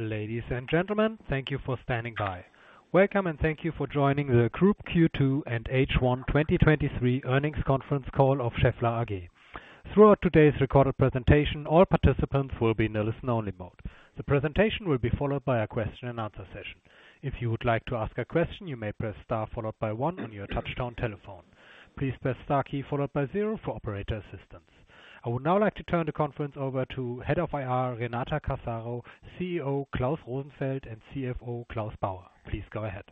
Ladies and gentlemen, thank you for standing by. Welcome, thank you for joining the Group Q2 and H1 2023 earnings conference call of Schaeffler AG. Throughout today's recorded presentation, all participants will be in a listen-only mode. The presentation will be followed by a question and answer session. If you would like to ask a question, you may press star followed by one on your touch-tone telephone. Please press star key followed by zero for operator assistance. I would now like to turn the conference over to Head of IR, Renata Casaro, CEO, Klaus Rosenfeld, and CFO, Claus Bauer. Please go ahead.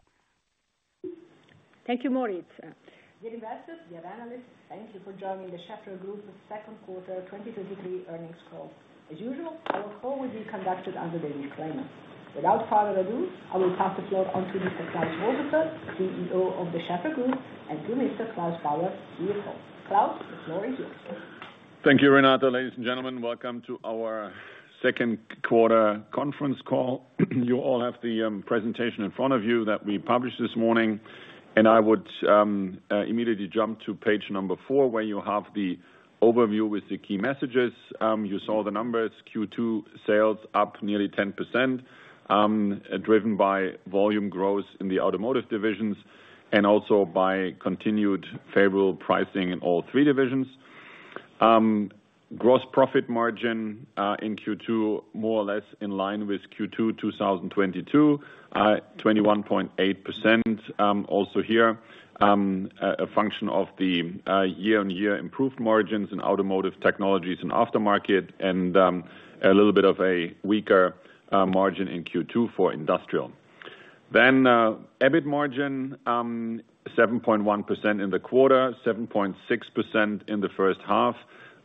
Thank you, Moritz. Dear investors, dear analysts, thank you for joining the Schaeffler Group's second quarter 2023 earnings call. As usual, our call will be conducted under the disclaimer. Without further ado, I will pass the floor on to Mr. Klaus Rosenfeld, CEO of the Schaeffler Group, and to Mr. Claus Bauer, CFO. Klaus, the floor is yours. Thank you, Renata. Ladies and gentlemen, welcome to our second quarter conference call. You all have the presentation in front of you that we published this morning. I would immediately jump to page four, where you have the overview with the key messages. You saw the numbers, Q2 sales up nearly 10%, driven by volume growth in the automotive divisions. Also by continued favorable pricing in all three divisions. Gross profit margin in Q2, more or less in line with Q2 2022, 21.8%. Also here, a function of the year-on-year improved margins in Automotive Technologies and Aftermarket. A little bit of a weaker margin in Q2 for Industrial. EBIT margin, 7.1% in the quarter, 7.6% in the first half.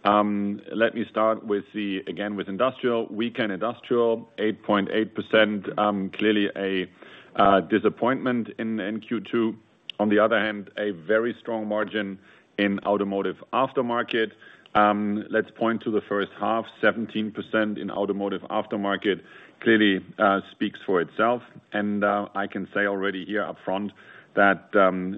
Let me start with the, again, with industrial. Weaken industrial, 8.8%, clearly a disappointment in Q2. On the other hand, a very strong margin in automotive aftermarket. Let's point to the first half, 17% in automotive aftermarket, clearly speaks for itself. I can say already here upfront, that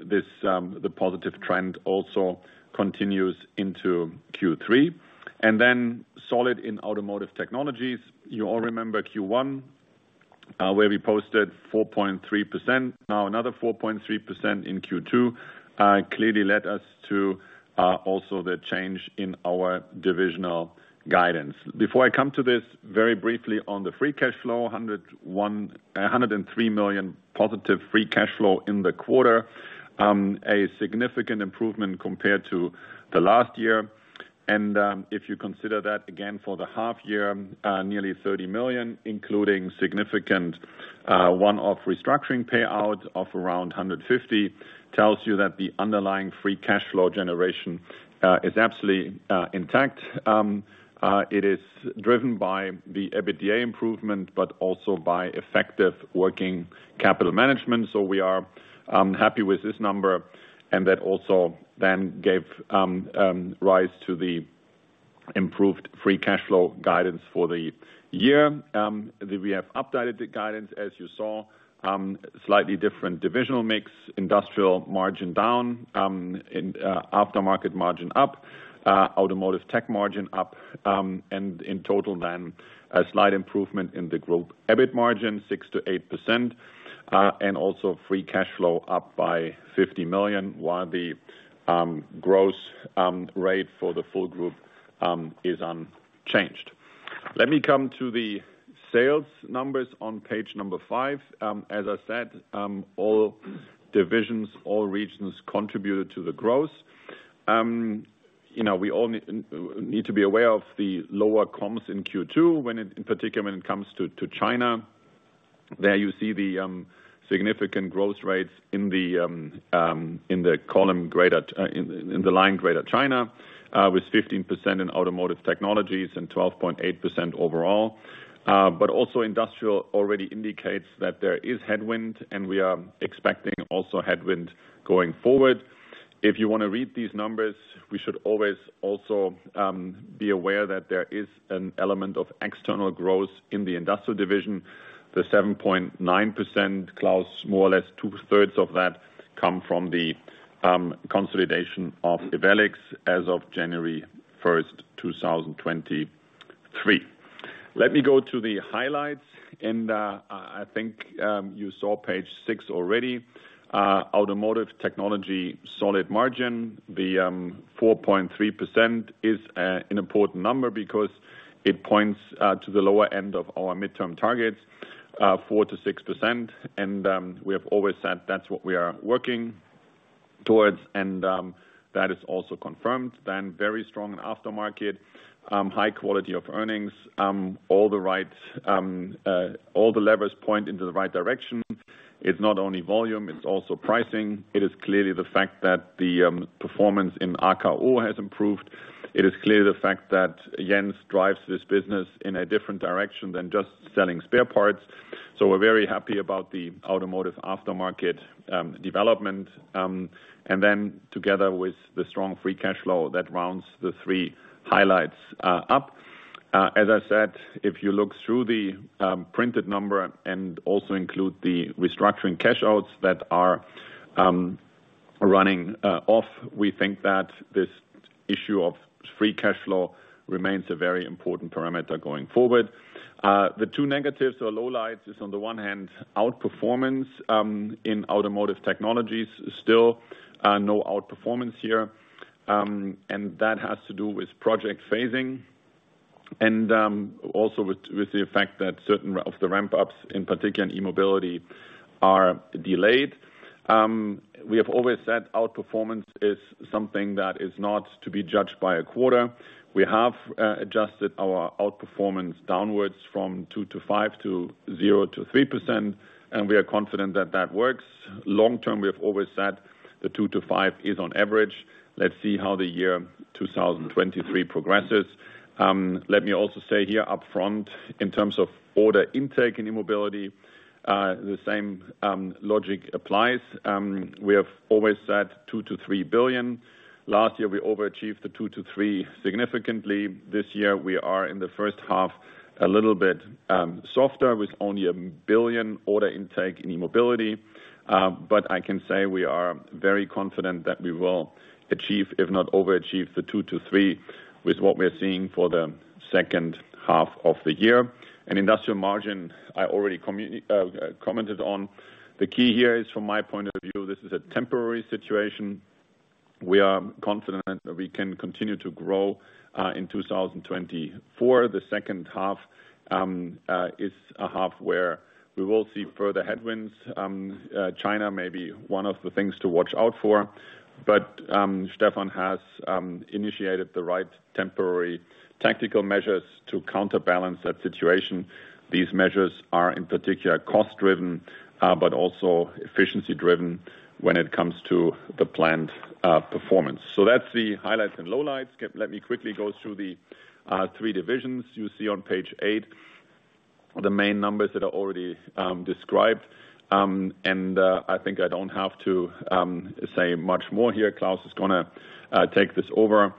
this the positive trend also continues into Q3. Then solid in Automotive Technologies. You all remember Q1, where we posted 4.3%. Now, another 4.3% in Q2, clearly led us to also the change in our divisional guidance. Before I come to this, very briefly on the free cash flow, 103 million positive free cash flow in the quarter. A significant improvement compared to the last year. If you consider that again for the half year, nearly 30 million, including significant one-off restructuring payouts of around 150 million, tells you that the underlying free cash flow generation is absolutely intact. It is driven by the EBITDA improvement, but also by effective working capital management. We are happy with this number, and that also then gave rise to the improved free cash flow guidance for the year. We have updated the guidance, as you saw, slightly different divisional mix, Industrial margin down, and Aftermarket margin up, Automotive Tech margin up, and in total then, a slight improvement in the group EBIT margin, 6%-8%, and also free cash flow up by 50 million, while the growth rate for the full group is unchanged. Let me come to the sales numbers on page five. As I said, all divisions, all regions contributed to the growth. You know, we all need to be aware of the lower comps in Q2, when it, in particular when it comes to, to China. There you see the significant growth rates in the in the column in the line Greater China, with 15% in Automotive Technology and 12.8% overall. Also industrial already indicates that there is headwind, and we are expecting also headwind going forward. If you wanna read these numbers, we should always also be aware that there is an element of external growth in the industrial division. The 7.9%, Klaus, more or less 2/3 of that, come from the consolidation of Ewellix as of January 1st, 2023. Let me go to the highlights, and I think you saw page six already. Automotive Technology, solid margin. The 4.3% is an important number because it points to the lower end of our midterm targets, 4%-6%. We have always said that's what we are working towards, and that is also confirmed. Very strong in aftermarket, high quality of earnings, all the right, all the levers point into the right direction. It's not only volume, it's also pricing. It is clearly the fact that the performance in RKO has improved. It is clearly the fact that Jens drives this business in a different direction than just selling spare parts. We're very happy about the automotive aftermarket development. Together with the strong free cash flow, that rounds the three highlights up. As I said, if you look through the printed number and also include the restructuring cash outs that are running off, we think that this issue of free cash flow remains a very important parameter going forward. The two negatives or lowlights is, on the one hand, outperformance in Automotive Technologies, still no outperformance here. That has to do with project phasing, and also with the fact that certain of the ramp ups, in particular in e-mobility, are delayed. We have always said outperformance is something that is not to be judged by a quarter. We have adjusted our outperformance downwards from 2%-5% to 0%-3%, and we are confident that that works. Long term, we have always said the 2%-5% is on average. Let's see how the year 2023 progresses. Let me also say here, upfront, in terms of order intake in e-mobility, the same logic applies. We have always said $2 billion-$3 billion. Last year, we overachieved the $2 billion-$3 billion significantly. This year, we are in the first half, a little bit softer, with only $1 billion order intake in e-mobility. But I can say we are very confident that we will achieve, if not overachieve, the $2 billion-$3 billion with what we are seeing for the second half of the year. Industrial margin, I already commented on. The key here is, from my point of view, this is a temporary situation. We are confident that we can continue to grow in 2024. The second half is a half where we will see further headwinds. China may be one of the things to watch out for, but Stefan has initiated the right temporary tactical measures to counterbalance that situation. These measures are, in particular, cost driven, but also efficiency driven when it comes to the planned performance. That's the highlights and lowlights. Let me quickly go through the three divisions. You see on page eight, the main numbers that are already described. I think I don't have to say much more here. Klaus is gonna take this over.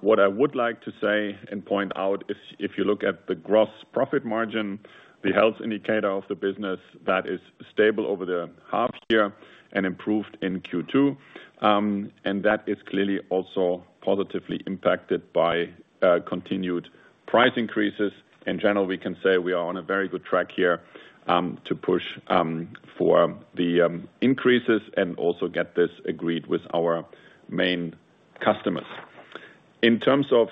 What I would like to say and point out is, if you look at the gross profit margin, the health indicator of the business, that is stable over the half year and improved in Q2. That is clearly also positively impacted by continued price increases. In general, we can say we are on a very good track here to push for the increases and also get this agreed with our main customers. In terms of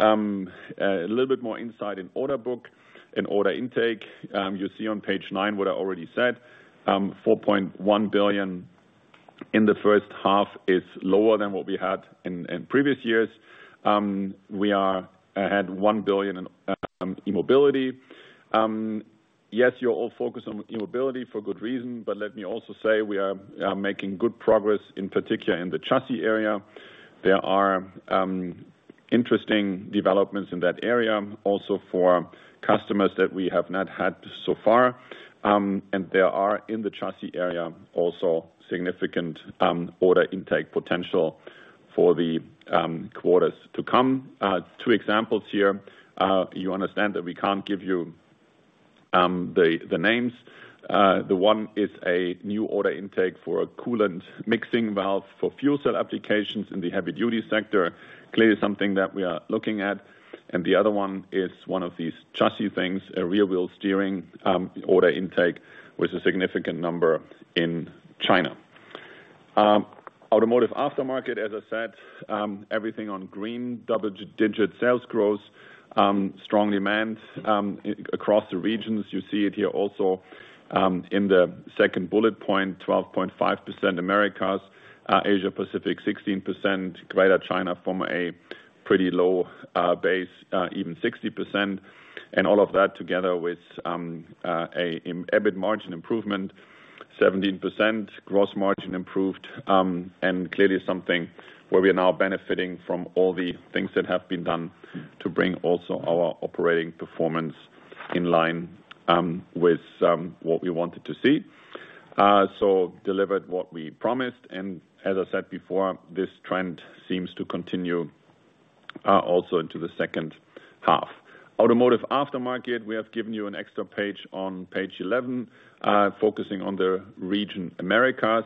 a little bit more insight in order book and order intake, you see on page nine what I already said, 4.1 billion in the first half is lower than what we had in previous years. We had EUR 1 billion in e-mobility. Yes, you're all focused on e-mobility for good reason, let me also say, we are making good progress, in particular, in the chassis area. There are interesting developments in that area, also for customers that we have not had so far. There are, in the chassis area, also significant order intake potential for the quarters to come. Two examples here. You understand that we can't give you the names. The one is a new order intake for a coolant mixing valve for fuel cell applications in the heavy duty sector. Clearly, something that we are looking at. The other one is one of these chassis things, a rear wheel steering order intake, with a significant number in China. Automotive aftermarket, as I said, everything on green, double-digit sales growth, strong demand across the regions. You see it here also, in the second bullet point, 12.5% Americas, Asia Pacific, 16%. Greater China, from a pretty low base, even 60%. All of that together with EBIT margin improvement, 17% gross margin improved, and clearly something where we are now benefiting from all the things that have been done to bring also our operating performance in line with what we wanted to see. Delivered what we promised, and as I said before, this trend seems to continue also into the second half. Automotive Aftermarket, we have given you an extra page on page 11, focusing on the region Americas.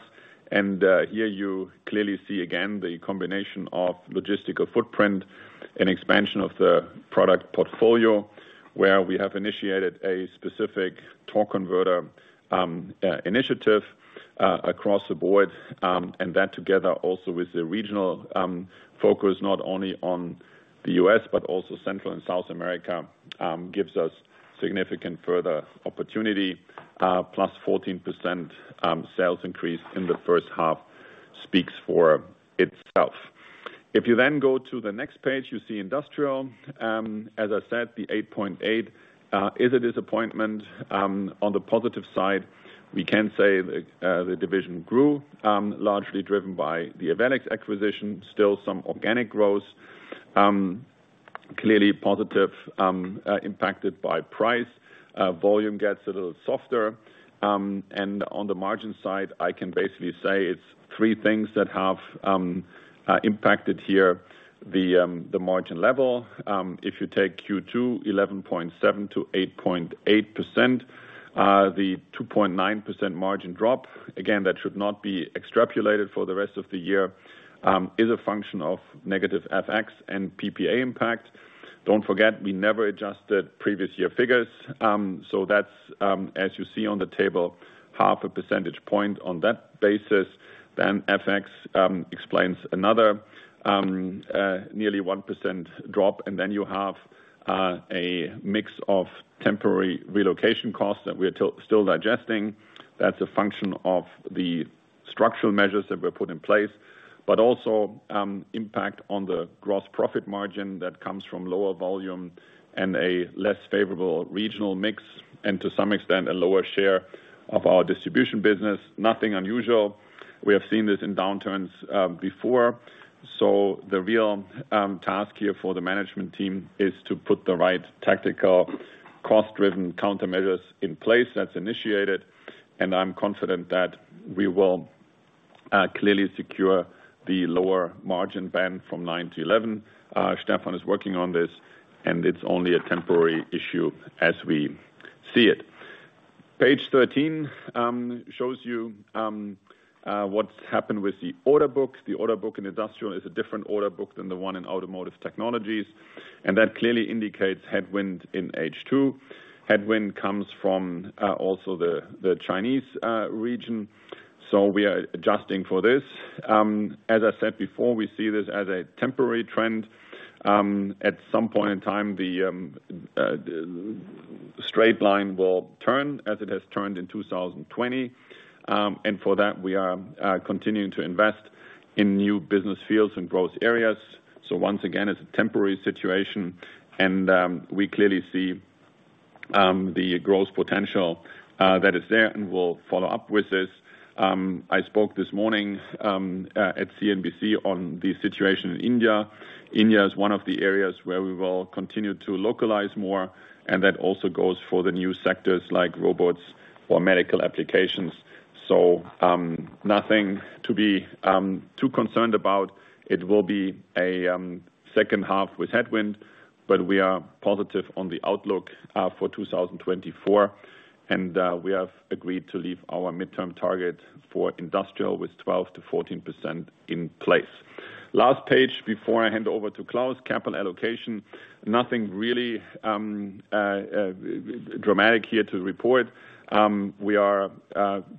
Here you clearly see, again, the combination of logistical footprint and expansion of the product portfolio, where we have initiated a specific torque converter initiative across the board. That together, also with the regional focus, not only on the U.S., but also Central and South America, gives us significant further opportunity, plus 14% sales increase in the first half speaks for itself. If you then go to the next page, you see Industrial. As I said, the 8.8 is a disappointment. On the positive side, we can say the division grew, largely driven by the Ewellix acquisition, still some organic growth. Clearly positive, impacted by price. Volume gets a little softer. On the margin side, I can basically say it's three things that have impacted here, the margin level. If you take Q2, 11.7%-8.8%, the 2.9% margin drop, again, that should not be extrapolated for the rest of the year, is a function of negative FX and PPA impact. Don't forget, we never adjusted previous year figures, so that's, as you see on the table, 0.5 percentage point on that basis, then FX explains another, nearly 1% drop, and then you have a mix of temporary relocation costs that we are still digesting. That's a function of the structural measures that were put in place, but also, impact on the gross profit margin that comes from lower volume and a less favorable regional mix, and to some extent, a lower share of our distribution business. Nothing unusual. We have seen this in downturns, before. The real task here for the management team is to put the right tactical, cost-driven countermeasures in place. That's initiated, and I'm confident that we will clearly secure the lower margin band from 9-11. Stefan is working on this. It's only a temporary issue as we see it. Page 13 shows you what's happened with the order book. The order book in industrial is a different order book than the one in Automotive Technologies, and that clearly indicates headwind in H2. Headwind comes from also the Chinese region, so we are adjusting for this. As I said before, we see this as a temporary trend. At some point in time, the straight line will turn, as it has turned in 2020. For that, we are continuing to invest in new business fields and growth areas. Once again, it's a temporary situation, and we clearly see the growth potential that is there, and we'll follow up with this. I spoke this morning at CNBC on the situation in India. India is one of the areas where we will continue to localize more, and that also goes for the new sectors like robots or medical applications. Nothing to be too concerned about. It will be a second half with headwind, but we are positive on the outlook for 2024, and we have agreed to leave our midterm target for industrial with 12%-14% in place. Last page before I hand over to Klaus, capital allocation. Nothing really dramatic here to report. We are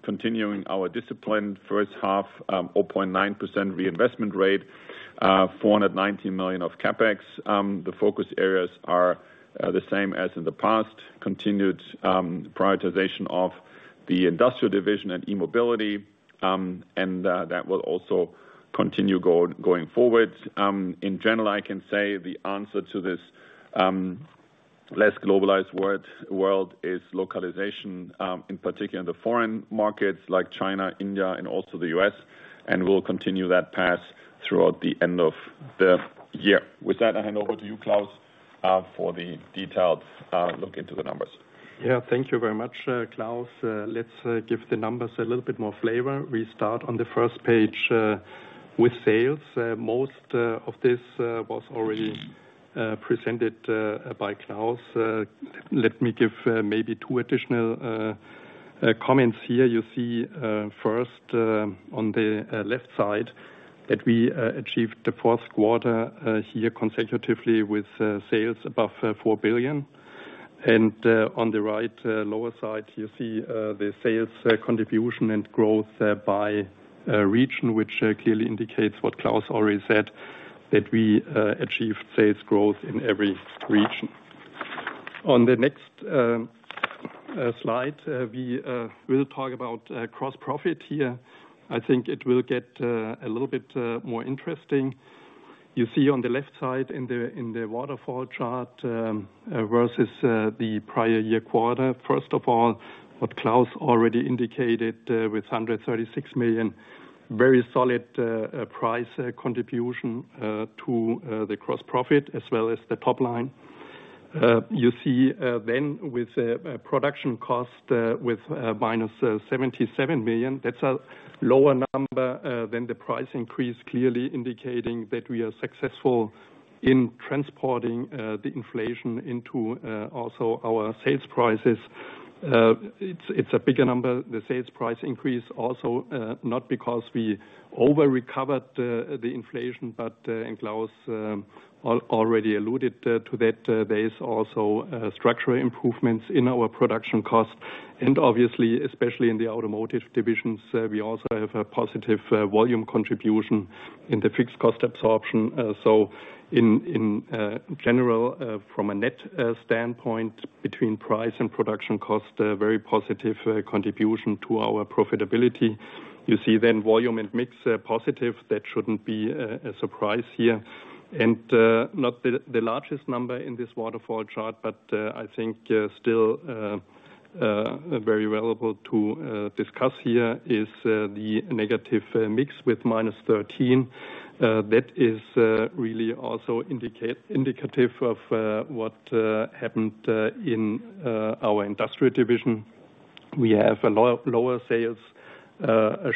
continuing our discipline. First half, 0.9% reinvestment rate, 490 million of CapEx. The focus areas are the same as in the past, continued prioritization of the industrial division and e-mobility, and that will also continue going forward. In general, I can say the answer to this less globalized world is localization, in particular in the foreign markets like China, India, and also the U.S., and we'll continue that path throughout the end of the year. With that, I hand over to you, Claus, for the detailed look into the numbers. Yeah, thank you very much, Klaus. Let's give the numbers a little bit more flavor. We start on the first page with sales. Most of this was already presented by Klaus. Let me give maybe two additional comments here. You see, first, on the left side, that we achieved the fourth quarter here consecutively with sales above 4 billion. On the right, lower side, you see the sales contribution and growth by region, which clearly indicates what Klaus already said, that we achieved sales growth in every region. On the next slide, we will talk about gross profit here. I think it will get a little bit more interesting. You see on the left side, in the, in the waterfall chart, versus the prior year quarter, first of all, what Klaus already indicated, with 136 million, very solid price contribution to the gross profit, as well as the top line. You see, then with a production cost, with minus 77 million, that's a lower number than the price increase, clearly indicating that we are successful in transporting the inflation into also our sales prices. It's, it's a bigger number, the sales price increase also, not because we over-recovered the inflation, but and Klaus already alluded to that. There is also structural improvements in our production cost. Obviously, especially in the automotive divisions, we also have a positive volume contribution in the fixed cost absorption. In, in general, from a net standpoint between price and production cost, a very positive contribution to our profitability. You see then volume and mix positive. That shouldn't be a surprise here, and not the largest number in this waterfall chart, but I think still very relevant to discuss here is the negative mix with -13. That is really also indicative of what happened in our industrial division.... we have a low-lower sales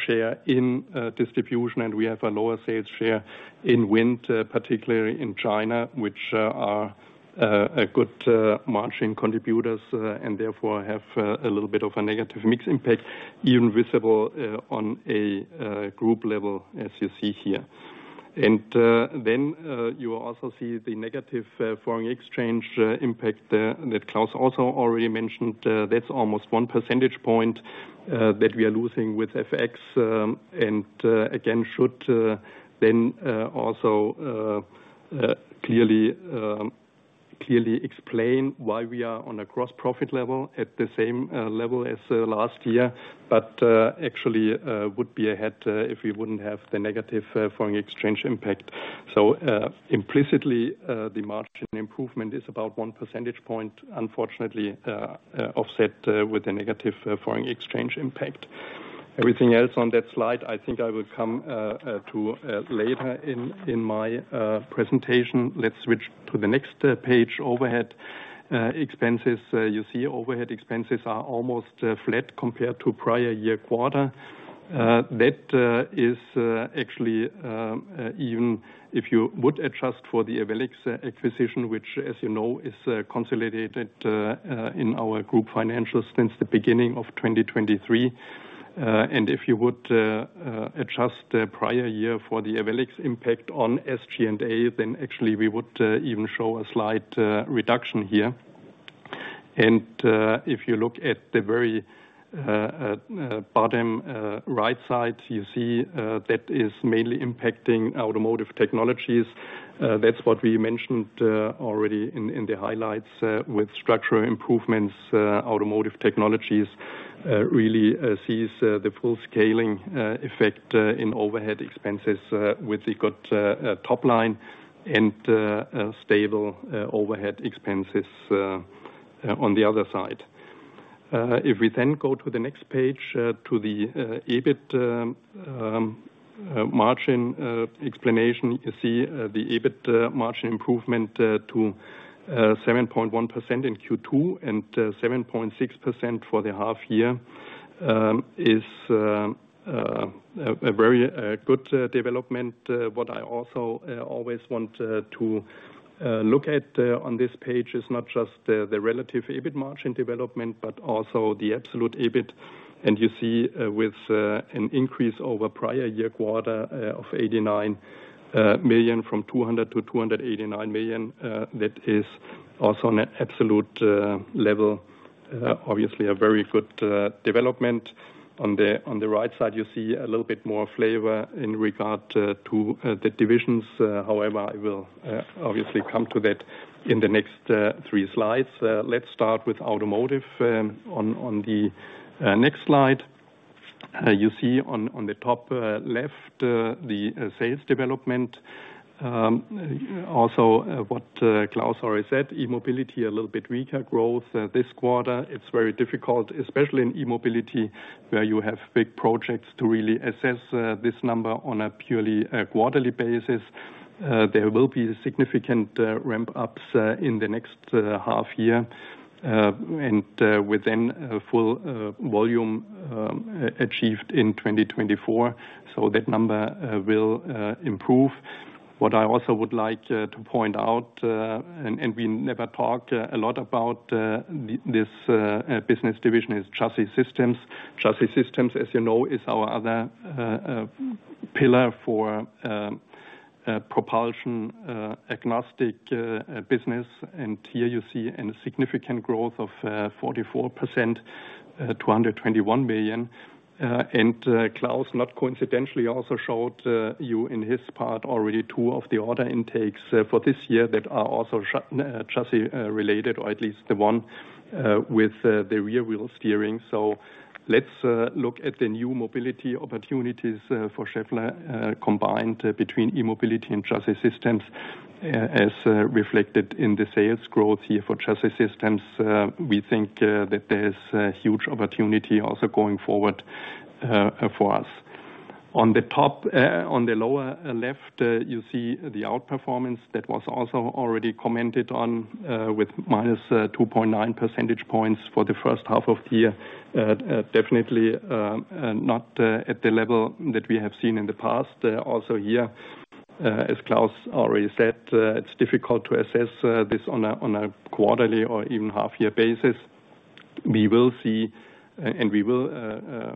share in distribution, and we have a lower sales share in wind, particularly in China, which are a good margin contributors, and therefore, have a little bit of a negative mix impact, even visible on a group level, as you see here. Then, you will also see the negative foreign exchange impact that Klaus also already mentioned. That's almost 1 percentage point that we are losing with FX. Again, should then also clearly clearly explain why we are on a gross profit level at the same level as last year, but actually would be ahead if we wouldn't have the negative foreign exchange impact. Implicitly, the margin improvement is about 1 percentage point, unfortunately, offset with a negative foreign exchange impact. Everything else on that slide, I think I will come to later in my presentation. Let's switch to the next page, overhead expenses. You see overhead expenses are almost flat compared to prior-year quarter. That is actually, even if you would adjust for the Available acquisition, which, as you know, is consolidated in our group financials since the beginning of 2023. If you would adjust the prior year for the Available impact on SG&A, then actually we would even show a slight reduction here. If you look at the very bottom right side, you see that is mainly impacting Automotive Technologies. That's what we mentioned already in the highlights, with structural improvements, Automotive Technologies really sees the full scaling effect in overhead expenses, with the good top line and a stable overhead expenses on the other side. If we then go to the next page, to the EBIT margin explanation, you see the EBIT margin improvement to 7.1% in Q2, and 7.6% for the half year, is a very good development. What I also always want to look at on this page is not just the relative EBIT margin development, but also the absolute EBIT. You see with an increase over prior year quarter of 89 million, from 200 million to 289 million, that is also on an absolute level obviously a very good development. On the right side, you see a little bit more flavor in regard to the divisions. I will obviously come to that in the next three slides. Let's start with Automotive Technologies on the next slide. You see on the top left the sales development. What Klaus already said, e-mobility, a little bit weaker growth this quarter. It's very difficult, especially in e-mobility, where you have big projects to really assess this number on a purely quarterly basis. There will be significant ramp upsurge in the next half year, and within a full volume achieved in 2024. That number will improve. What I also would like to point out, and we never talked a lot about this business division is Chassis Systems. Chassis Systems, as you know, is our other pillar for propulsion agnostic business. Here, you see an significant growth of 44%, 221 million. Klaus, not coincidentally, also showed you in his part, already two of the order intakes for this year that are also Chassis related, or at least the one with the rear wheel steering. Let's look at the new mobility opportunities for Schaeffler, combined between e-mobility and Chassis Systems. As reflected in the sales growth here for Chassis Systems, we think that there's a huge opportunity also going forward for us. On the lower left, you see the outperformance that was also already commented on with -2.9 percentage points for the first half of the year. Definitely not at the level that we have seen in the past. Also, here, as Klaus already said, it's difficult to assess this on a quarterly or even half-year basis. We will see, and we will,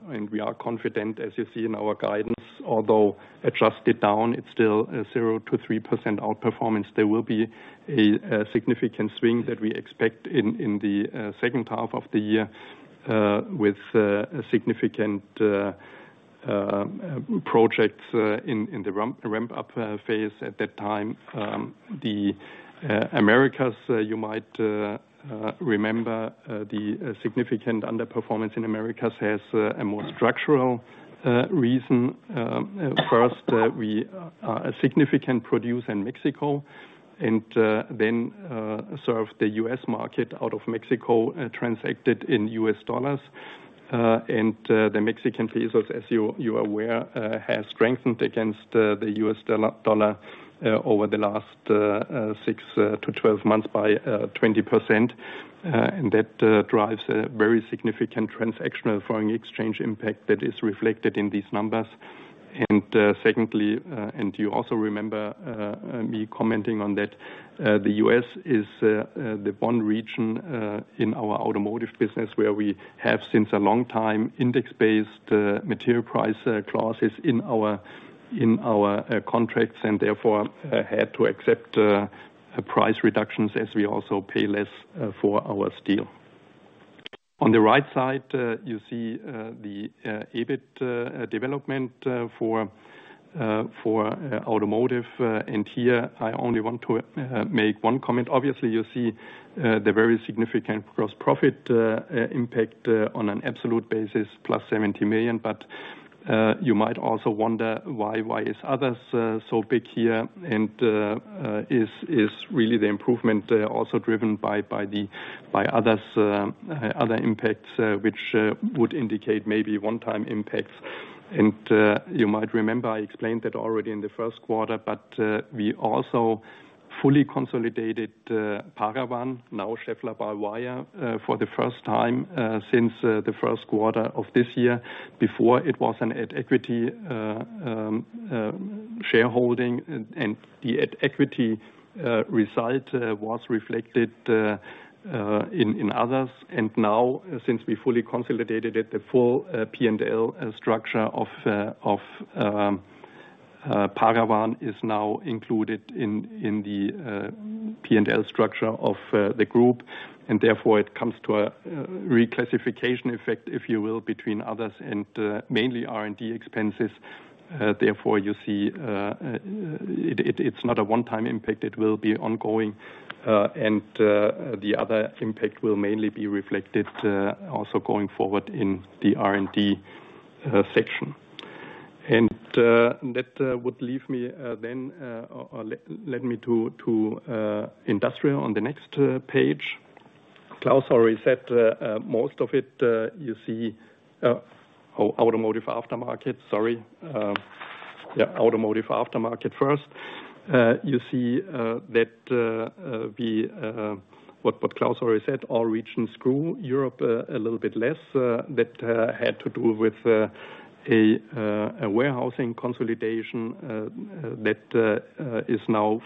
and we are confident, as you see in our guidance, although adjusted down, it's still a 0% to 3% outperformance. There will be a significant swing that we expect in the second half of the year, with a significant project in the ramp up phase at that time. The Americas, you might remember, the significant underperformance in Americas has a more structural reason. First, we a significant produce in Mexico and then serve the U.S. market out of Mexico, transacted in U.S. dollars. The Mexican pesos, as you, you are aware, has strengthened against the U.S. dollar over the last 6 to 12 months by 20%. That drives a very significant transactional foreign exchange impact that is reflected in these numbers. Secondly, you also remember me commenting on that, the U.S. is the one region in our Automotive business, where we have, since a long time, index-based material price clauses in our, in our contracts, and therefore, had to accept price reductions as we also pay less for our steel. On the right side, you see the EBIT development for for Automotive. Here, I only want to make one comment. Obviously, you see the very significant gross profit impact on an absolute basis, plus 70 million. You might also wonder why, why is others so big here? Is, is really the improvement also driven by, by the, by others, other impacts, which would indicate maybe one-time impacts. You might remember I explained that already in the first quarter, but we also fully consolidated Paravan, now Schaeffler Paravan, for the first time since the first quarter of this year. Before, it was an at-equity shareholding, and the at-equity result was reflected in others. Now, since we fully consolidated it, the full P&L structure of Paravan is now included in the P&L structure of the group. Therefore, it comes to a reclassification effect, if you will, between others and mainly R&D expenses. Therefore, you see, it's not a one-time impact. It will be ongoing. The other impact will mainly be reflected also going forward in the R&D section. That would leave me then or lead me to industrial on the next page. Klaus already said most of it, you see... Oh, automotive aftermarket, sorry. Yeah, automotive aftermarket first. You see that we, what Klaus already said, all regions grew. Europe, a little bit less, that had to do with a warehousing consolidation that is now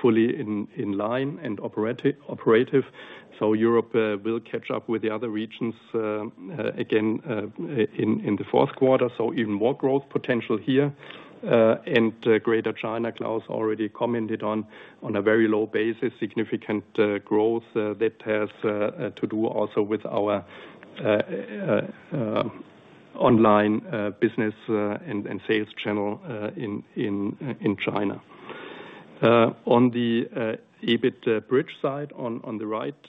fully in line and operative. Europe will catch up with the other regions again in the fourth quarter, so even more growth potential here. Greater China, Klaus already commented on, on a very low base, a significant growth that has to do also with our online business and sales channel in China. On the EBIT bridge side, on the right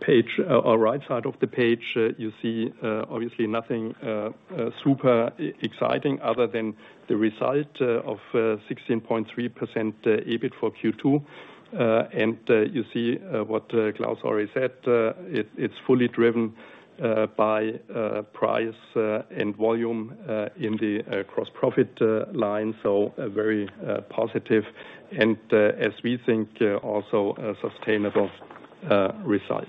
page, or right side of the page, you see obviously nothing super exciting other than the result of 16.3% EBIT for Q2. You see what Klaus already said. It's fully driven by price and volume in the gross profit line, so a very positive, and as we think, also a sustainable result.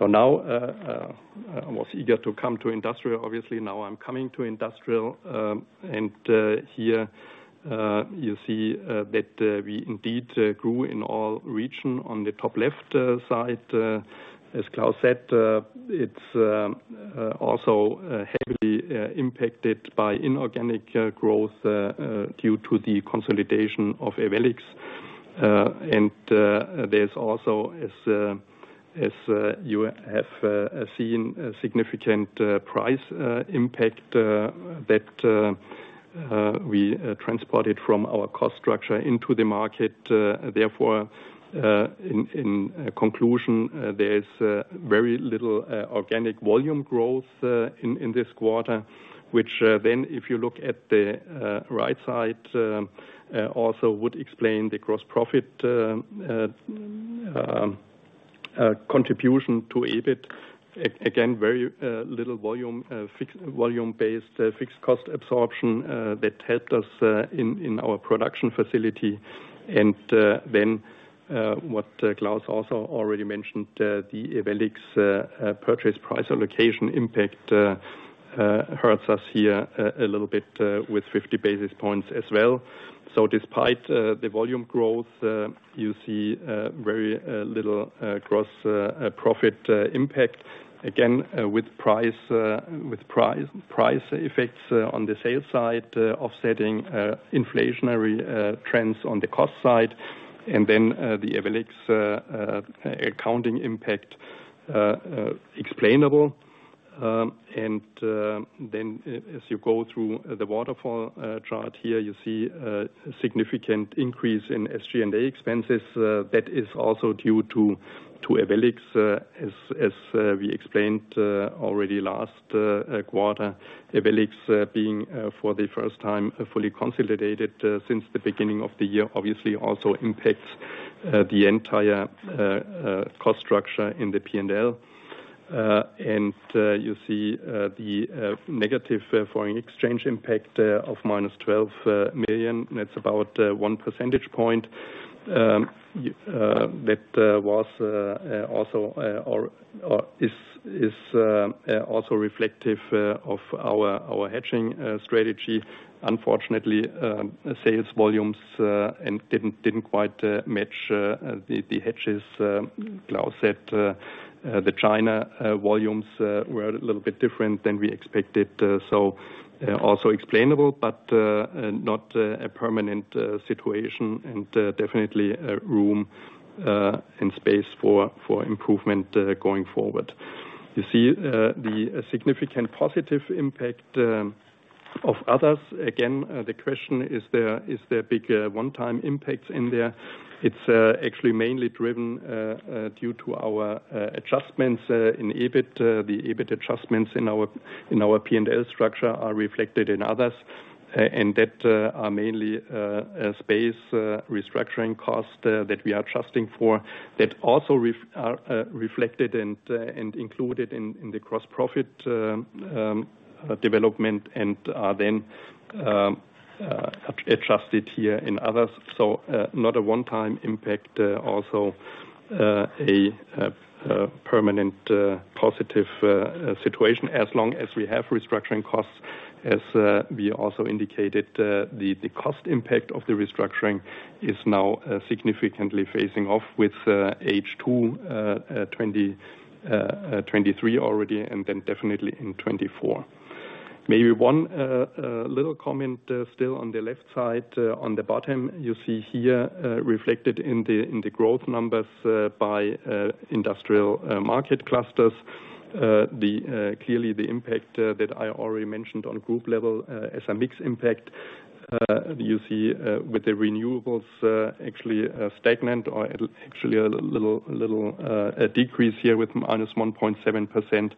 Now I was eager to come to industrial. Obviously, now I'm coming to industrial. Here you see that we indeed grew in all region. On the top left side, as Klaus said, it's also heavily impacted by inorganic growth due to the consolidation of Ewellix. There's also, as, as you have seen, a significant price impact that we transported from our cost structure into the market. In conclusion, there's very little organic volume growth in this quarter, which then if you look at the right side, also would explain the gross profit contribution to EBIT. Again, very little volume, fix- volume-based fixed cost absorption that helped us in our production facility. Then what Klaus also already mentioned, the Ewellix purchase price allocation impact hurts us here a little bit with 50 basis points as well. Despite the volume growth, you see very little gross profit impact. Again, with price, with price, price effects on the sales side, offsetting inflationary trends on the cost side, and then the Ewellix accounting impact explainable. Then as you go through the waterfall chart here, you see significant increase in SG&A expenses. That is also due to Ewellix, as as we explained already last quarter. Ewellix, being for the first time fully consolidated since the beginning of the year, obviously, also impacts the entire cost structure in the PNL. You see the negative foreign exchange impact of -12 million. That's about 1 percentage point that was also or is also reflective of our hedging strategy. Unfortunately, sales volumes and didn't, didn't quite match the hedges. Klaus said the China volumes were a little bit different than we expected. So, also explainable, but not a permanent situation, and definitely room and space for, for improvement going forward. You see the significant positive impact of others. Again, the question, is there, is there big one-time impacts in there? It's actually mainly driven due to our adjustments in EBIT. The EBIT adjustments in our, in our P&L structure are reflected in others, and that are mainly a space, restructuring cost that we are trusting for, that also are reflected and included in, in the gross profit development, and are then adjusted here in others. Not a one-time impact, also a permanent positive situation, as long as we have restructuring costs. As we also indicated, the, the cost impact of the restructuring is now significantly phasing off with H2 2023 already, and then definitely in 2024. Maybe one little comment, still on the left side, on the bottom, you see here reflected in the, in the growth numbers, by industrial market clusters, the clearly the impact that I already mentioned on group level as a mixed impact. You see with the renewables actually stagnant or actually a little, little decrease here with minus 1.7%.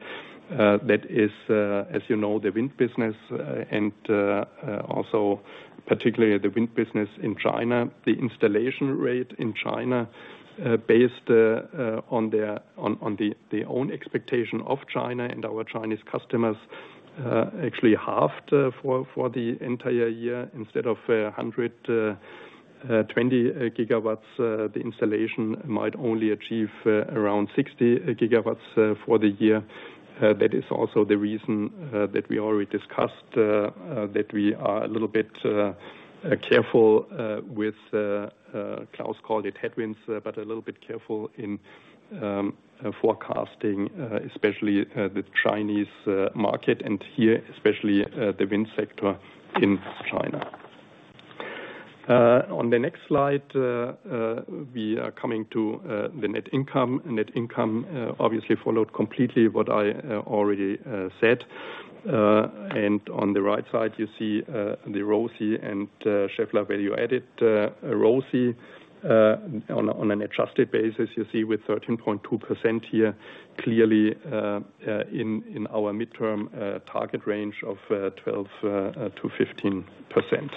That is, as you know, the wind business and also particularly the wind business in China. The installation rate in China, based on their, on, on the, the own expectation of China and our Chinese customers, actually halved for the entire year. Instead of 120 gigawatts, the installation might only achieve around 60 gigawatts for the year. That is also the reason that we already discussed that we are a little bit careful with Klaus called it headwinds, but a little bit careful in forecasting especially the Chinese market, and here, especially the wind sector in China. On the next slide, we are coming to the net income. Net income obviously followed completely what I already said. On the right side, you see the ROSI and Schaeffler Value Added ROSI. On an adjusted basis, you see with 13.2% here, clearly, in our midterm target range of 12%-15%.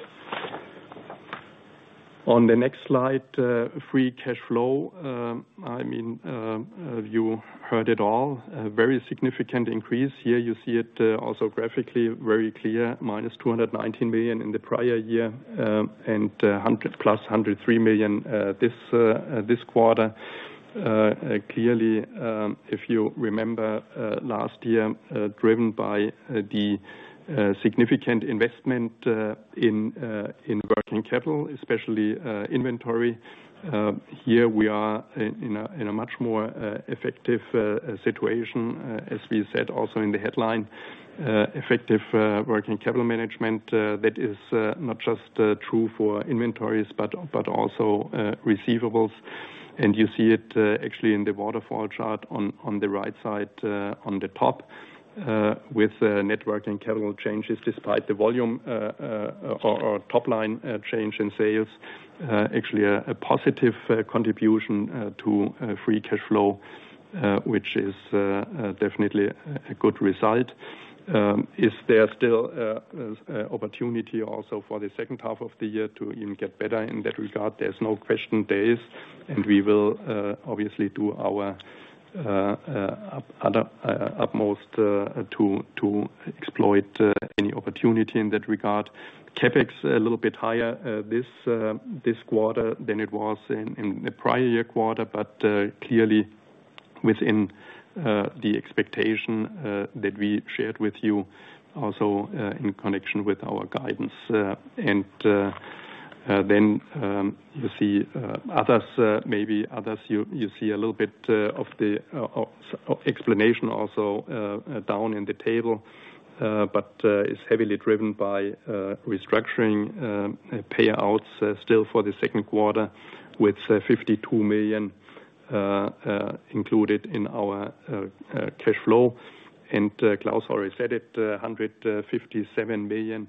On the next slide, free cash flow. I mean, you heard it all. A very significant increase. Here, you see it also graphically, very clear, minus 219 million in the prior year, and +103 million this quarter. Clearly, if you remember, last year, driven by the significant investment in working capital, especially inventory, here we are in a much more effective situation, as we said also in the headline. Effective working capital management, that is not just true for inventories, but, but also receivables. You see it actually in the waterfall chart on, on the right side, on the top, with net working capital changes, despite the volume or, or top line change in sales, actually a positive contribution to free cash flow, which is definitely a good result. Is there still opportunity also for the second half of the year to even get better in that regard? There's no question there is, and we will obviously, do our utmost to exploit any opportunity in that regard. CapEx a little bit higher this quarter than it was in the prior year quarter, but clearly within the expectation that we shared with you also in connection with our guidance. You see others, maybe others, you see a little bit of the explanation also down in the table. It's heavily driven by restructuring payouts still for the second quarter, with 52 million included in our cash flow. Klaus already said it, 157 million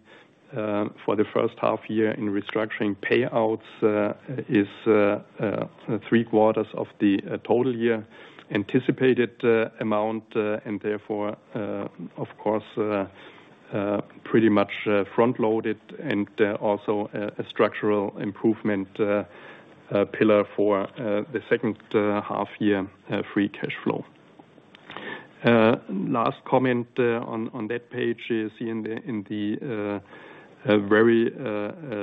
for the first half-year in restructuring payouts is three quarters of the total year anticipated amount and therefore, of course, pretty much front-loaded and also a structural improvement pillar for the second half-year free cash flow. Last comment on on that page is in the very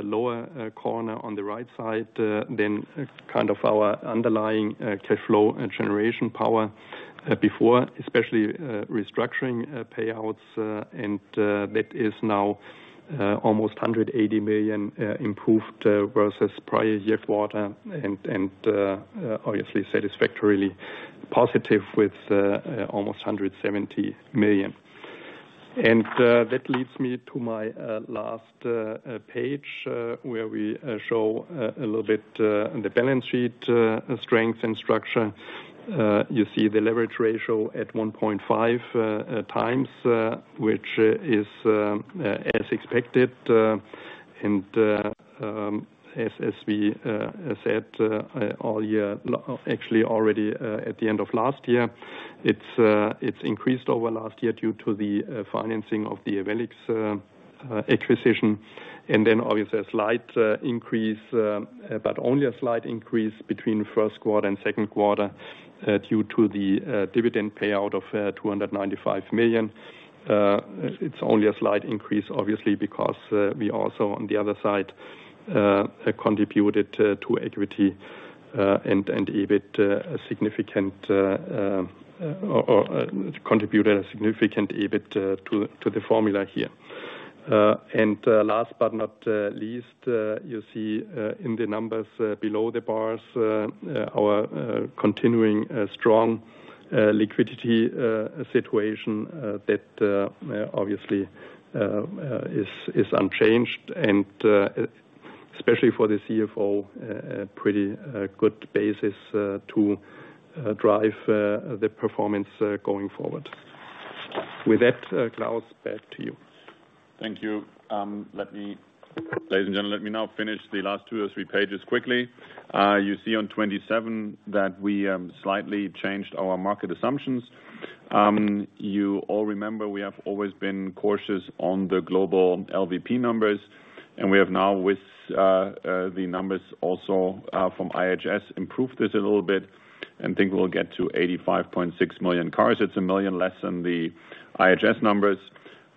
lower corner on the right side, then kind of our underlying cash flow and generation power before, especially, restructuring payouts, and that is now almost 180 million improved versus prior-year quarter, and obviously satisfactorily positive with almost 170 million. That leads me to my last page, where we show a little bit on the balance sheet strength and structure. You see the leverage ratio at 1.5x, which is as expected. As we said all year, actually already at the end of last year, it's increased over last year due to the financing of the Ewellix acquisition, and then obviously a slight increase, but only a slight increase between the first quarter and second quarter, due to the dividend payout of 295 million. It's only a slight increase, obviously, because we also, on the other side, contributed to, to equity, and, and EBIT, a significant... Or, or, contributed a significant EBIT, to, to the formula here. Last but not least, you see, in the numbers, below the bars, our, continuing, strong, liquidity, situation, that, obviously, is, is unchanged, and especially for the CFO, a pretty, good basis, to, drive, the performance, going forward. With that, Klaus, back to you. Thank you. Ladies and gentlemen, let me now finish the last two or three pages quickly. You see on 27 that we slightly changed our market assumptions. You all remember, we have always been cautious on the global LVP numbers, we have now, with the numbers also from IHS, improved this a little bit, and think we'll get to 85.6 million cars. It's 1 million less than the IHS numbers.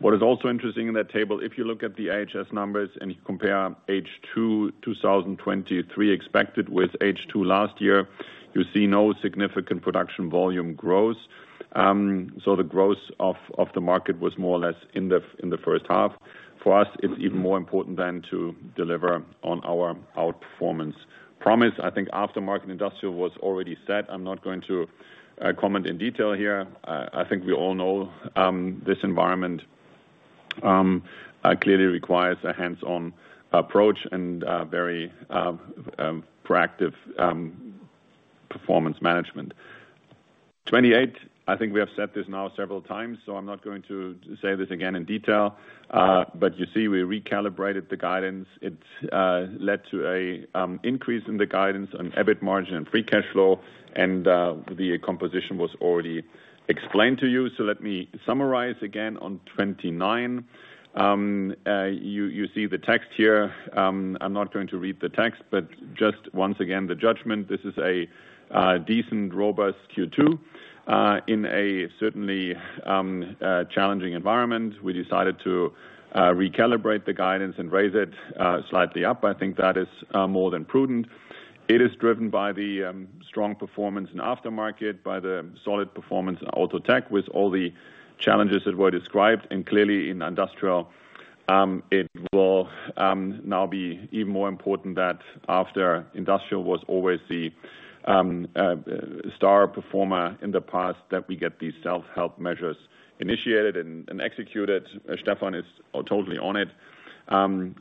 What is also interesting in that table, if you look at the IHS numbers and you compare H2 2023 expected with H2 last year, you see no significant production volume growth. The growth of the market was more or less in the first half. For us, it's even more important than to deliver on our outperformance promise. I think aftermarket industrial was already set. I'm not going to comment in detail here. I think we all know this environment clearly requires a hands-on approach and very proactive performance management. 28, I think we have said this now several times, so I'm not going to say this again in detail, but you see, we recalibrated the guidance. It led to a increase in the guidance on EBIT margin and free cashflow, and the composition was already explained to you. Let me summarize again on 29. You, you see the text here. I'm not going to read the text, but just once again, the judgment, this is a decent, robust Q2 in a certainly challenging environment. We decided to recalibrate the guidance and raise it slightly up. I think that is more than prudent. It is driven by the strong performance in aftermarket, by the solid performance in Auto Tech, with all the challenges that were described, and clearly in industrial, it will now be even more important that after industrial was always the star performer in the past, that we get these self-help measures initiated and executed. Stefan is totally on it.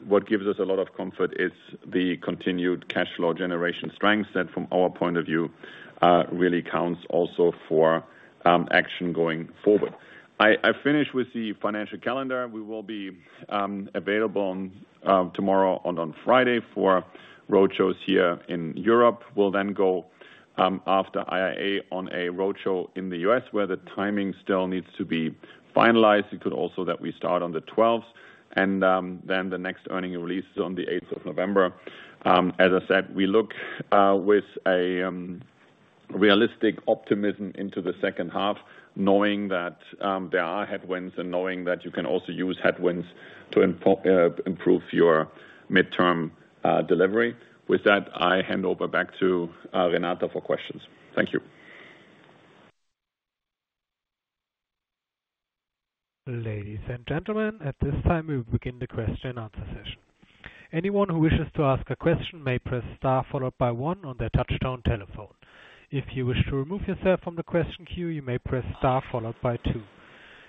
What gives us a lot of comfort is the continued cashflow generation strength, that from our point of view, really counts also for action going forward. I finish with the financial calendar. We will be available tomorrow and on Friday for roadshows here in Europe. We'll then go after IAA on a roadshow in the U.S., where the timing still needs to be finalized. It could also that we start on the twelfth, then the next earning release is on the eighth of November. As I said, we look with a realistic optimism into the second half, knowing that there are headwinds and knowing that you can also use headwinds to improve your midterm delivery. With that, I hand over back to Renata for questions. Thank you. Ladies and gentlemen, at this time, we'll begin the question and answer session. Anyone who wishes to ask a question may press star followed by one on their touch-tone telephone. If you wish to remove yourself from the question queue, you may press star followed by two.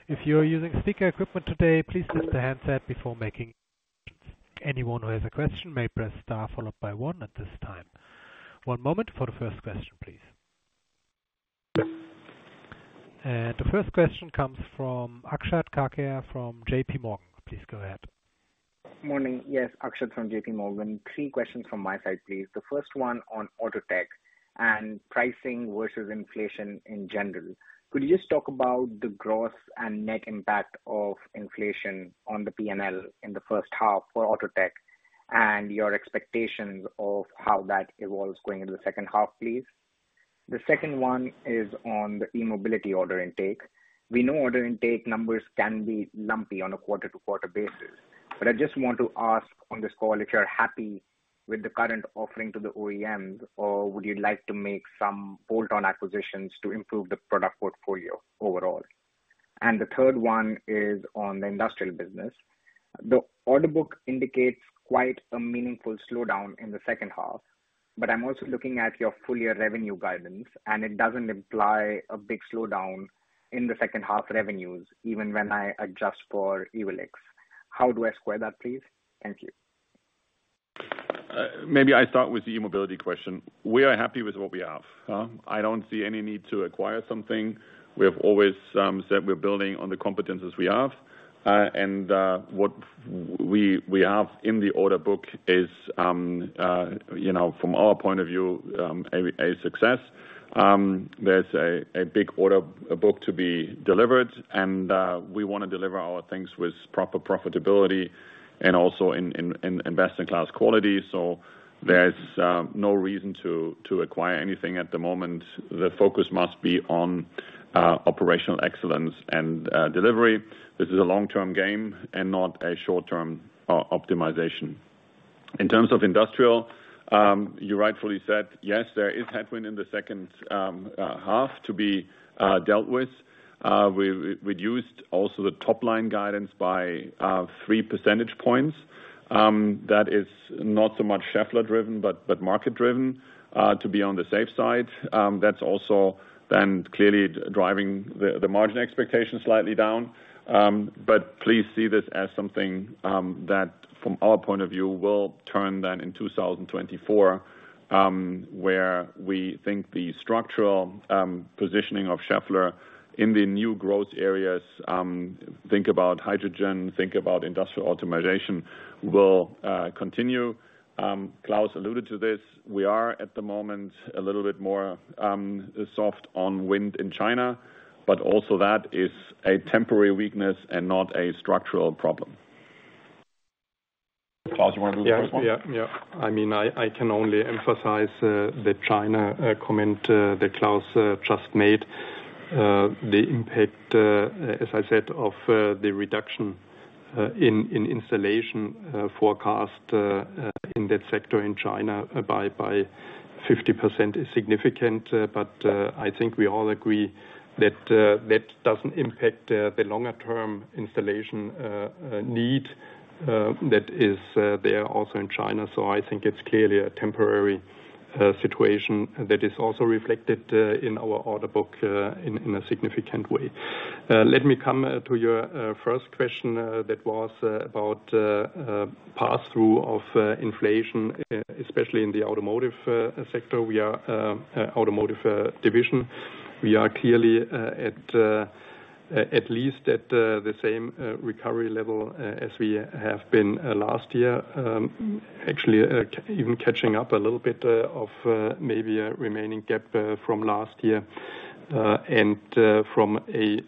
If you are using speaker equipment today, please lift the handset before making. Anyone who has a question may press star followed by one at this time. One moment for the first question, please. The first question comes from Akshat Kacker from JPMorgan. Please go ahead. Morning. Yes, Akshat from JPMorgan. 3 questions from my side, please. The first one on Auto Tech and pricing versus inflation in general. Could you just talk about the gross and net impact of inflation on the PNL in the first half for Auto Tech, and your expectations of how that evolves going into the second half, please? The second one is on the e-mobility order intake. We know order intake numbers can be lumpy on a quarter-to-quarter basis, but I just want to ask on this call, if you're happy with the current offering to the OEMs, or would you like to make some bolt-on acquisitions to improve the product portfolio overall? The third one is on the industrial business. The order book indicates quite a meaningful slowdown in the second half, but I'm also looking at your full year revenue guidance, and it doesn't imply a big slowdown in the second half revenues, even when I adjust for Ewellix. How do I square that, please? Thank you. Maybe I start with the e-mobility question. We are happy with what we have. I don't see any need to acquire something. We have always said we're building on the competencies we have. What we, we have in the order book is, you know, from our point of view, a success. There's a big order book to be delivered, and we wanna deliver our things with proper profitability and also in, in, in best-in-class quality. There's no reason to acquire anything at the moment. The focus must be on operational excellence and delivery. This is a long-term game and not a short-term optimization. In terms of industrial, you rightfully said, yes, there is headwind in the second half to be dealt with. We've reduced also the top line guidance by 3 percentage points. That is not so much Schaeffler driven, but market driven. To be on the safe side, that's also then clearly driving the margin expectations slightly down. But please see this as something that, from our point of view, will turn then in 2024, where we think the structural positioning of Schaeffler in the new growth areas, think about hydrogen, think about industrial automation, will continue. Klaus alluded to this. We are, at the moment, a little bit more soft on wind in China, but also that is a temporary weakness and not a structural problem. Klaus, you wanna do the first one? Yeah, yeah. I mean, I, I can only emphasize the China comment that Klaus just made. The impact, as I said, of the reduction in installation forecast in that sector in China by 50% is significant. I think we all agree that that doesn't impact the longer term installation need that is there also in China. I think it's clearly a temporary situation that is also reflected in our order book in a significant way. Let me come to your first question that was about pass-through of inflation, especially in the Automotive sector. We are Automotive division. We are clearly at, at least at the same recovery level as we have been last year. Actually, even catching up a little bit of maybe a remaining gap from last year. From a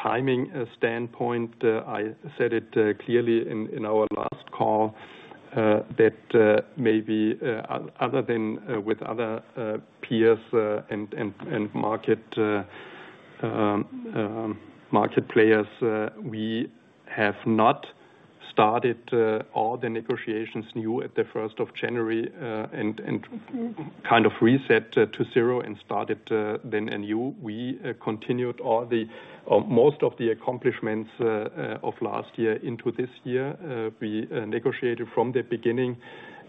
timing standpoint, I said it clearly in our last call that maybe other than with other peers and market market players, we have not started all the negotiations new at the 1st of January and kind of reset to 0 and started then anew. We continued all the most of the accomplishments of last year into this year. We negotiated from the beginning.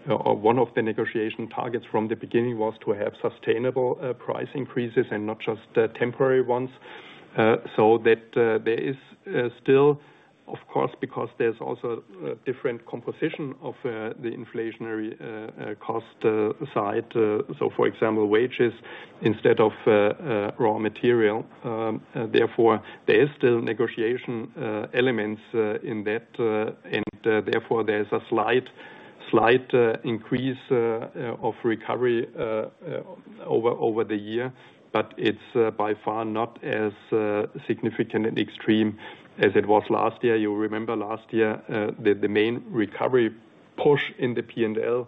One of the negotiation targets from the beginning was to have sustainable price increases and not just temporary ones. That there is still, of course, because there's also a different composition of the inflationary cost side. For example, wages instead of raw material. Therefore, there is still negotiation elements in that, and therefore, there's a slight, slight increase of recovery over the year. It's by far not as significant and extreme as it was last year. You remember last year, the main recovery push in the P&L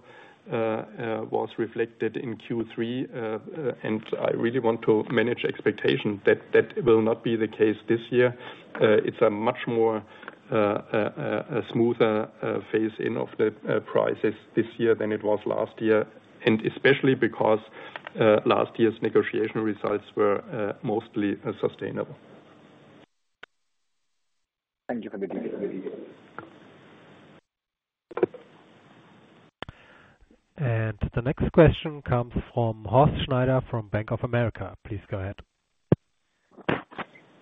was reflected in Q3. I really want to manage expectations that that will not be the case this year. It's a much more a smoother phase-in of the prices this year than it was last year, and especially because last year's negotiation results were mostly sustainable. Thank you for the detail. The next question comes from Horst Schneider, from Bank of America. Please go ahead.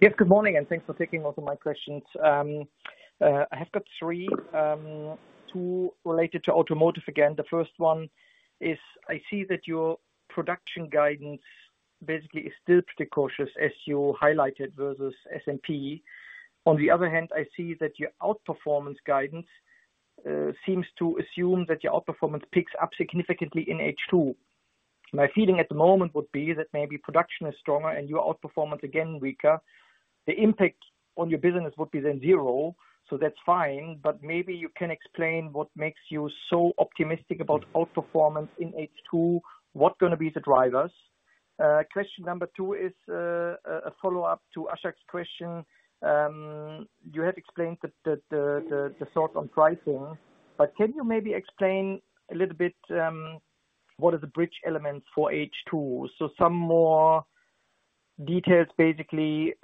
Yes, good morning, and thanks for taking both of my questions. I have got three, two related to automotive again. The first one is, I see that your production guidance basically is still pretty cautious as you highlighted, versus S&P. On the other hand, I see that your outperformance guidance seems to assume that your outperformance picks up significantly in H2.... My feeling at the moment would be that maybe production is stronger and your out-performance again weaker. The impact on your business would be then zero, so that's fine, but maybe you can explain what makes you so optimistic about out-performance in H2, what are gonna be the drivers? Question number two is a follow-up to Akshat's question. You had explained that the thought on pricing, but can you maybe explain a little bit what are the bridge elements for H2? Some more details, basically,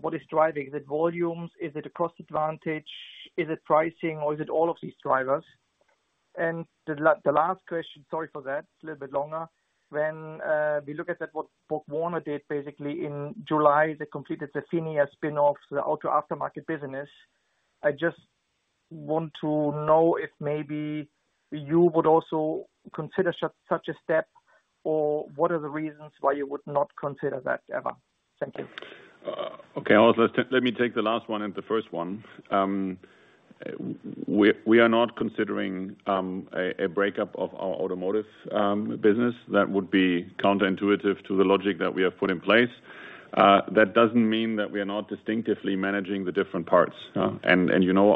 what is driving? Is it volumes? Is it a cost advantage? Is it pricing, or is it all of these drivers? The last question, sorry for that, it's a little bit longer. When, we look at that, what, what BorgWarner did, basically in July, they completed the PHINIA spin-off, the auto aftermarket business. I just want to know if maybe you would also consider such a step, or what are the reasons why you would not consider that ever? Thank you. Okay, Horst, let me take the last one and the first one. We are not considering a break-up of our automotive business. That would be counterintuitive to the logic that we have put in place. That doesn't mean that we are not distinctively managing the different parts. You know,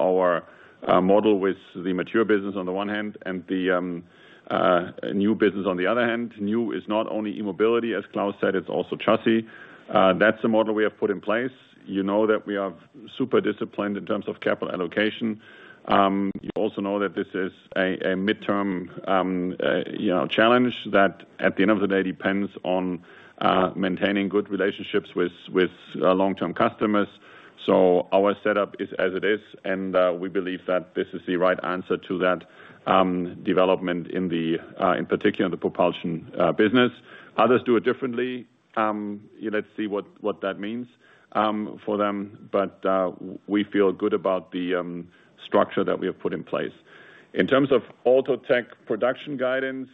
our model with the mature business on the one hand, and the new business on the other hand, new is not only e-mobility, as Klaus said, it's also chassis. That's the model we have put in place. You know that we are super disciplined in terms of capital allocation. You also know that this is a midterm, you know, challenge, that at the end of the day, depends on maintaining good relationships with, with long-term customers. Our setup is as it is, and we believe that this is the right answer to that development in the in particular, the propulsion business. Others do it differently. Let's see what, what that means for them. We feel good about the structure that we have put in place. In terms of Auto Tech production guidance,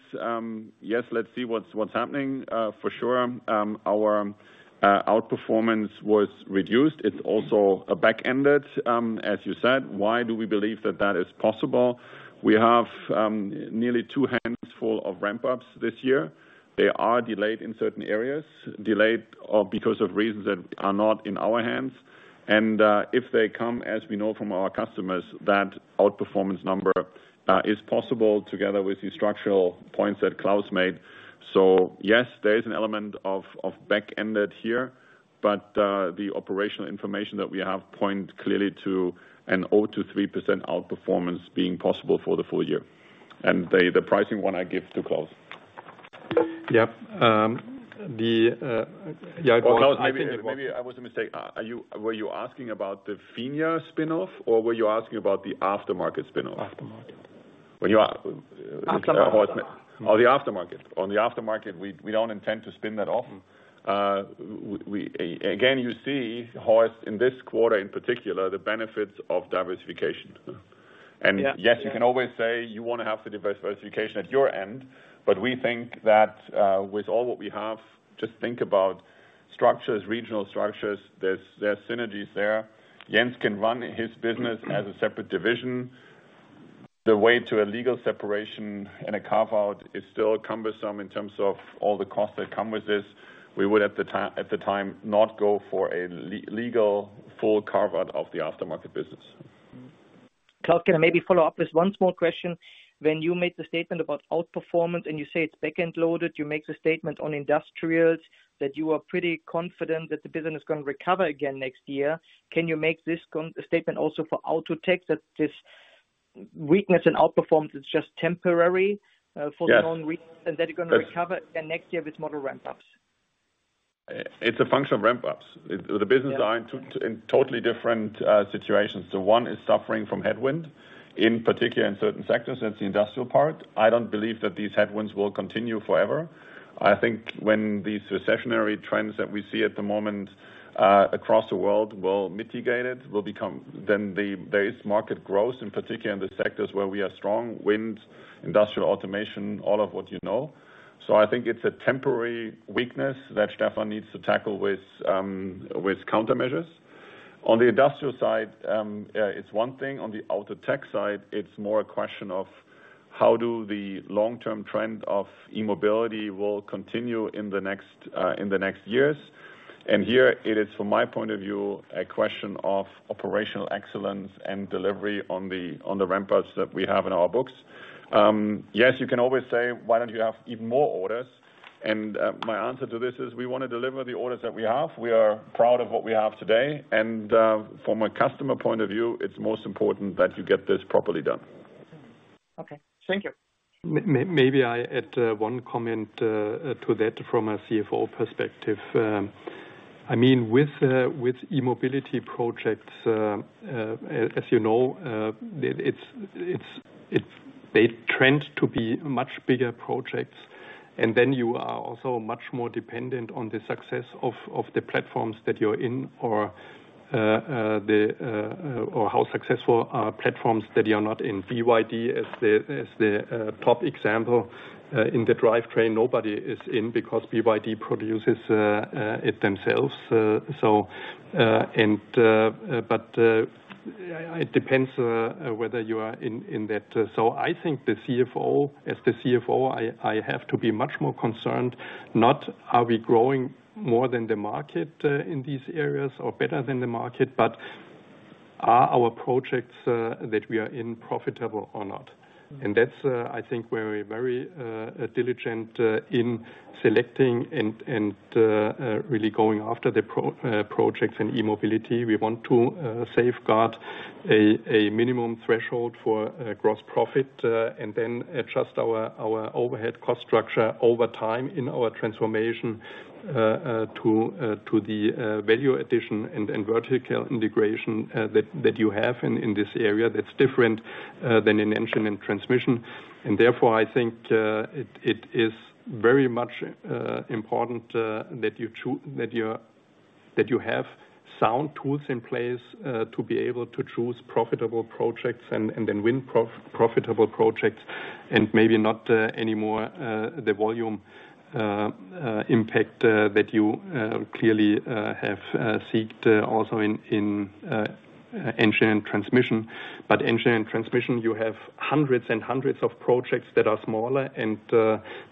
yes, let's see what's what's happening. For sure, our out-performance was reduced. It's also a back-ended, as you said, why do we believe that that is possible? We have nearly two hands full of ramp-ups this year. They are delayed in certain areas, delayed because of reasons that are not in our hands. If they come, as we know from our customers, that out-performance number is possible together with the structural points that Klaus made. Yes, there is an element of, of back-ended here, but the operational information that we have point clearly to an 0-3% out-performance being possible for the full year. The pricing one, I give to Claus. Yep, the. Klaus, maybe, maybe I was a mistake. Were you asking about the PHINIA spin-off, or were you asking about the aftermarket spin-off? Aftermarket. When you Aftermarket. Oh, the aftermarket. On the aftermarket, we, we don't intend to spin that off. We, again, you see, Horst, in this quarter, in particular, the benefits of diversification. Yeah. Yes, you can always say you wanna have the diversification at your end, but we think that with all what we have, just think about structures, regional structures, there's, there's synergies there. Jens can run his business as a separate division. The way to a legal separation and a carve-out is still cumbersome in terms of all the costs that come with this. We would, at the time, not go for a legal, full carve-out of the aftermarket business. Klaus, can I maybe follow up with one more question? When you made the statement about out-performance, and you say it's back-end loaded, you make the statement on industrials, that you are pretty confident that the business is gonna recover again next year. Can you make this statement also for Auto Tech, that this weakness in out-performance is just temporary for the moment? Yes. That you're gonna recover again next year with model ramp-ups? It's a function of ramp-ups. The, the businesses are in two, in totally different situations. The one is suffering from headwind, in particular in certain sectors, that's the industrial part. I don't believe that these headwinds will continue forever. I think when these recessionary trends that we see at the moment, across the world will mitigate it, will become... The, there is market growth, in particular in the sectors where we are strong, wind, industrial automation, all of what you know. I think it's a temporary weakness that Stefan needs to tackle with countermeasures. On the industrial side, it's one thing. On the Auto Tech side, it's more a question of how do the long-term trend of e-mobility will continue in the next in the next years? Here it is, from my point of view, a question of operational excellence and delivery on the, on the ramp-ups that we have in our books. Yes, you can always say: Why don't you have even more orders? My answer to this is, we wanna deliver the orders that we have. We are proud of what we have today, and, from a customer point of view, it's most important that you get this properly done. Okay. Thank you. Maybe I add one comment to that from a CFO perspective. I mean, with e-mobility projects, as you know, they tend to be much bigger projects, and then you are also much more dependent on the success of the platforms that you're in, or how successful are platforms that you are not in BYD as the top example, in the drivetrain, nobody is in because BYD produces it themselves. It depends whether you are in, in that. I think the CFO, as the CFO, I have to be much more concerned, not are we growing more than the market in these areas or better than the market, but are our projects that we are in profitable or not? That's, I think we're very diligent in selecting and really going after the projects in e-mobility. We want to safeguard a minimum threshold for gross profit and then adjust our overhead cost structure over time in our transformation to the value addition and vertical integration that you have in this area that's different than in engine and transmission. Therefore, I think, it, it is very much important that you're, that you have sound tools in place to be able to choose profitable projects and, and then win profitable projects, and maybe not anymore the volume impact that you clearly have seeked also in engine and transmission. Engine and transmission, you have hundreds and hundreds of projects that are smaller and,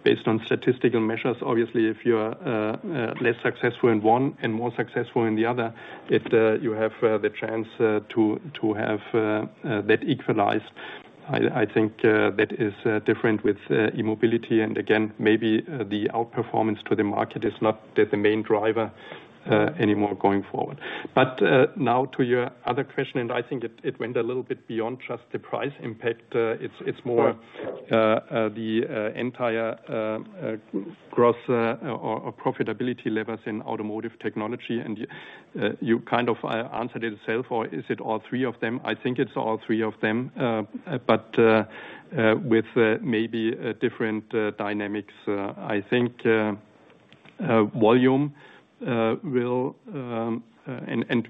based on statistical measures, obviously, if you are less successful in one and more successful in the other, if you have the chance to have that equalized. I, I think, that is different with e-mobility, and again, maybe the outperformance to the market is not the, the main driver anymore going forward. Now to your other question, and I think it, it went a little bit beyond just the price impact. It's, it's more the entire growth or profitability levels in automotive technology, and you kind of answered it yourself, or is it all three of them? I think it's all three of them, but with maybe different dynamics. I think volume will...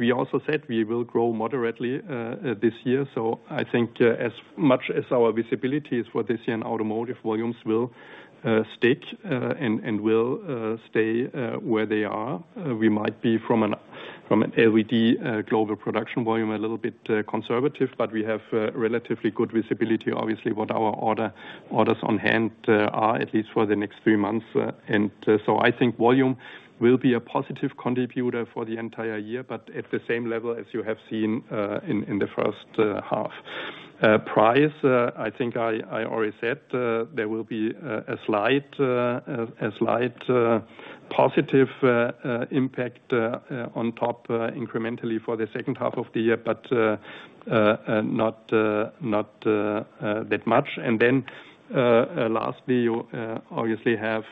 We also said we will grow moderately this year. I think as much as our visibility is for this year, and automotive volumes will stick and will stay where they are. We might be from an, from an LED global production volume, a little bit conservative, but we have relatively good visibility, obviously, what our orders on hand are, at least for the next three months. So I think volume will be a positive contributor for the entire year, but at the same level as you have seen in the first half. Price, I think I already said, there will be a slight, a slight positive impact on top incrementally for the second half of the year. Not not that much. Then lastly, you obviously have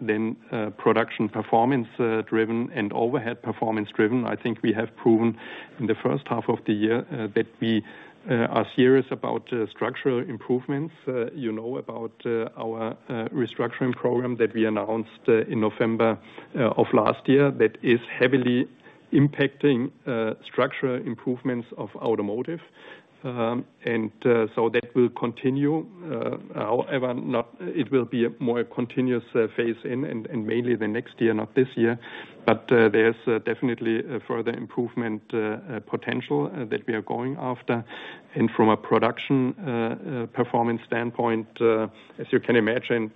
then production performance driven and overhead performance driven. I think we have proven in the first half of the year, that we are serious about structural improvements. You know about our restructuring program that we announced in November of last year, that is heavily impacting structural improvements of automotive. That will continue, however, not it will be a more continuous phase in and, and mainly the next year, not this year. There's definitely a further improvement potential that we are going after. From a production performance standpoint, as you can imagine,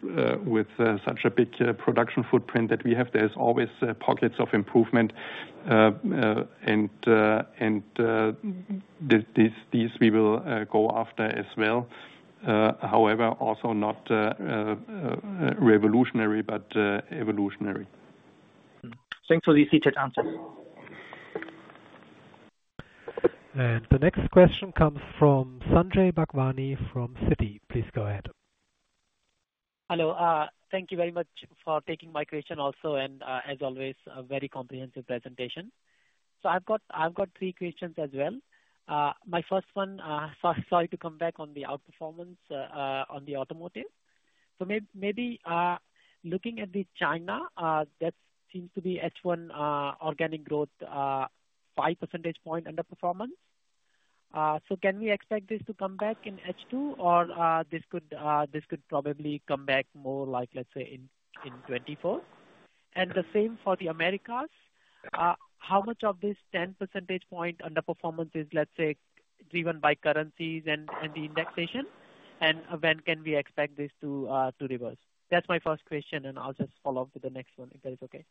with such a big production footprint that we have, there's always pockets of improvement. And these, these, these we will go after as well. However, also not, revolutionary, but, evolutionary. Thanks for the detailed answer. The next question comes from Sanjay Bhagwani, from Citi. Please go ahead. Hello, thank you very much for taking my question also. As always, a very comprehensive presentation. I've got three questions as well. My first one, sorry to come back on the outperformance on the automotive. Maybe, looking at the China, that seems to be H1 organic growth, 5 percentage point underperformance. Can we expect this to come back in H2, or this could probably come back more like, let's say, in, in 2024? The same for the Americas. How much of this 10 percentage point underperformance is, let's say, driven by currencies and the indexation? When can we expect this to reverse? That's my first question. I'll just follow up with the next one, if that is okay.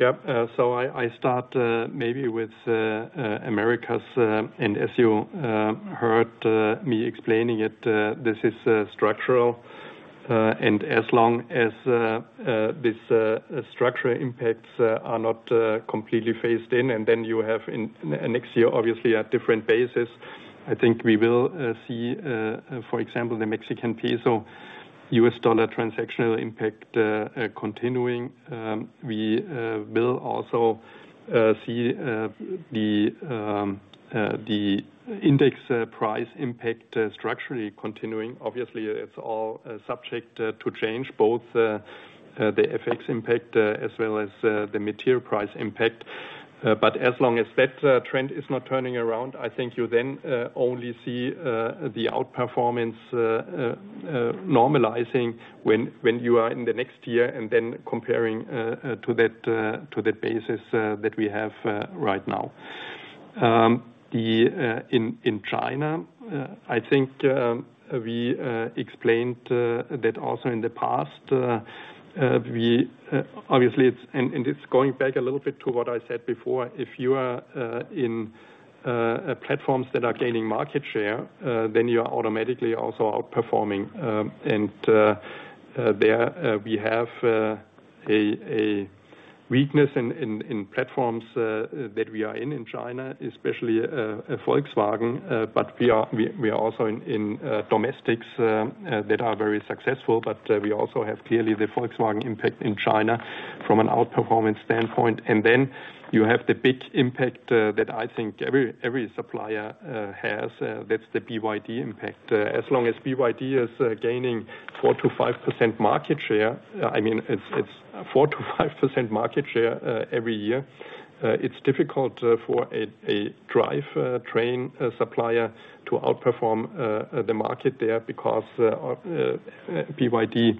Yep. I, I start maybe with Americas. As you heard me explaining it, this is structural. As long as this structural impacts are not completely phased in, you have in- next year, obviously a different basis. I think we will see, for example, the Mexican peso, U.S. dollar transactional impact continuing. We will also see the index price impact structurally continuing. It's all subject to change, both the FX impact as well as the material price impact.... As long as that trend is not turning around, I think you then only see the outperformance normalizing when, when you are in the next year, and then comparing to that to that basis that we have right now. In China, I think we explained that also in the past, we obviously it's going back a little bit to what I said before. If you are in platforms that are gaining market share, then you are automatically also outperforming. There we have a weakness in platforms that we are in, in China, especially Volkswagen. But we are, we, we are also in, in domestics that are very successful. But we also have clearly the Volkswagen impact in China from an outperformance standpoint. Then you have the big impact that I think every, every supplier has, that's the BYD impact. As long as BYD is gaining 4%-5% market share, I mean, it's 4%-5% market share every year, it's difficult for a drive train supplier to outperform the market there, because BYD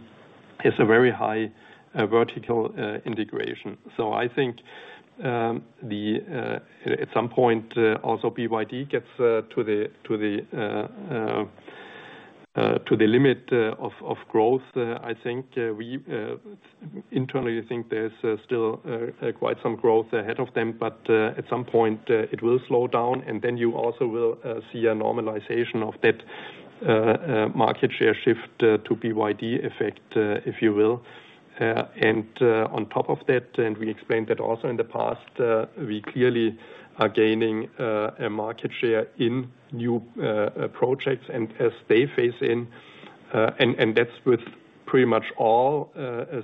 has a very high vertical integration. I think the... At some point, also BYD gets to the to the to the limit of growth. I think we internally think there's still quite some growth ahead of them, but at some point it will slow down, and then you also will see a normalization of that market share shift to BYD effect, if you will. On top of that, and we explained that also in the past, we clearly are gaining a market share in new projects, and as they phase in, and that's with pretty much all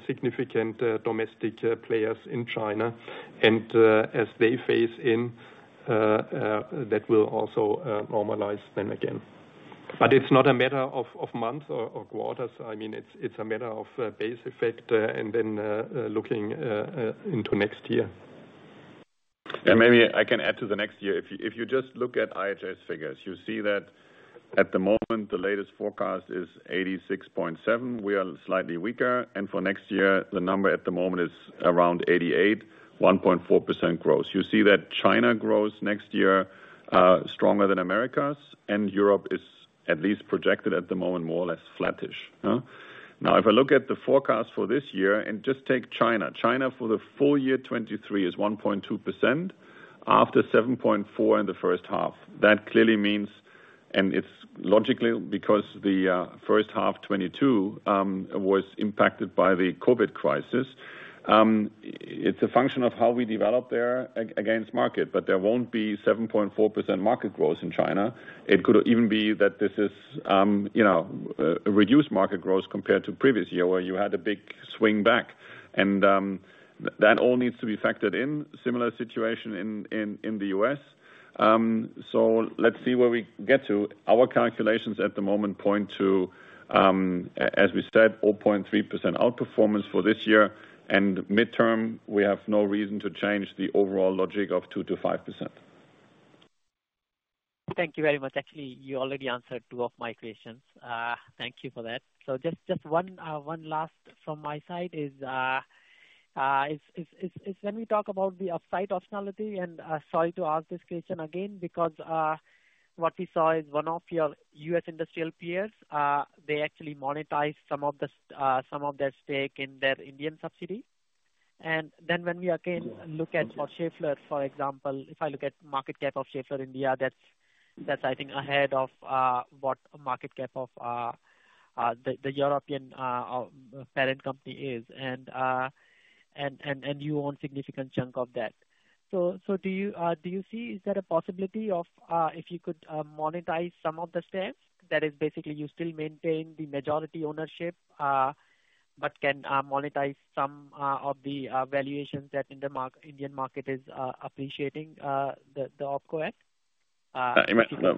significant domestic players in China. As they phase in, that will also normalize then again. It's not a matter of months or quarters. I mean, it's a matter of base effect, and then looking into next year. Maybe I can add to the next year. If you, if you just look at IHS figures, you see that at the moment, the latest forecast is 86.7. We are slightly weaker, and for next year, the number at the moment is around 88, 1.4% growth. You see that China grows next year, stronger than Americas, and Europe is at least projected at the moment, more or less flattish. Now, if I look at the forecast for this year, and just take China, China for the full year 2023 is 1.2%, after 7.4 in the first half. That clearly means, and it's logically because the first half 2022 was impacted by the COVID crisis. It's a function of how we develop there against market, but there won't be 7.4% market growth in China. It could even be that this is, you know, a reduced market growth compared to previous year, where you had a big swing back, and that all needs to be factored in. Similar situation in, in, in the U.S.. Let's see where we get to. Our calculations at the moment point to, as we said, 4.3% outperformance for this year, and midterm, we have no reason to change the overall logic of 2%-5%. Thank you very much. Actually, you already answered two of my questions. Thank you for that. Just one, one last from my side is, is, is, is, is when we talk about the offsite optionality, sorry to ask this question again, because what we saw is one of your U.S. industrial peers, they actually monetized some of their stake in their Indian subsidiary. Then when we again look at for Schaeffler, for example, if I look at market cap of Schaeffler India, that's, that's, I think, ahead of what market cap of the European parent company is. And, and, and you own significant chunk of that. So do you, do you see, is there a possibility of, if you could, monetize some of the stakes? That is basically you still maintain the majority ownership, but can monetize some of the valuations that in the Indian market is appreciating the OpCo at... Well,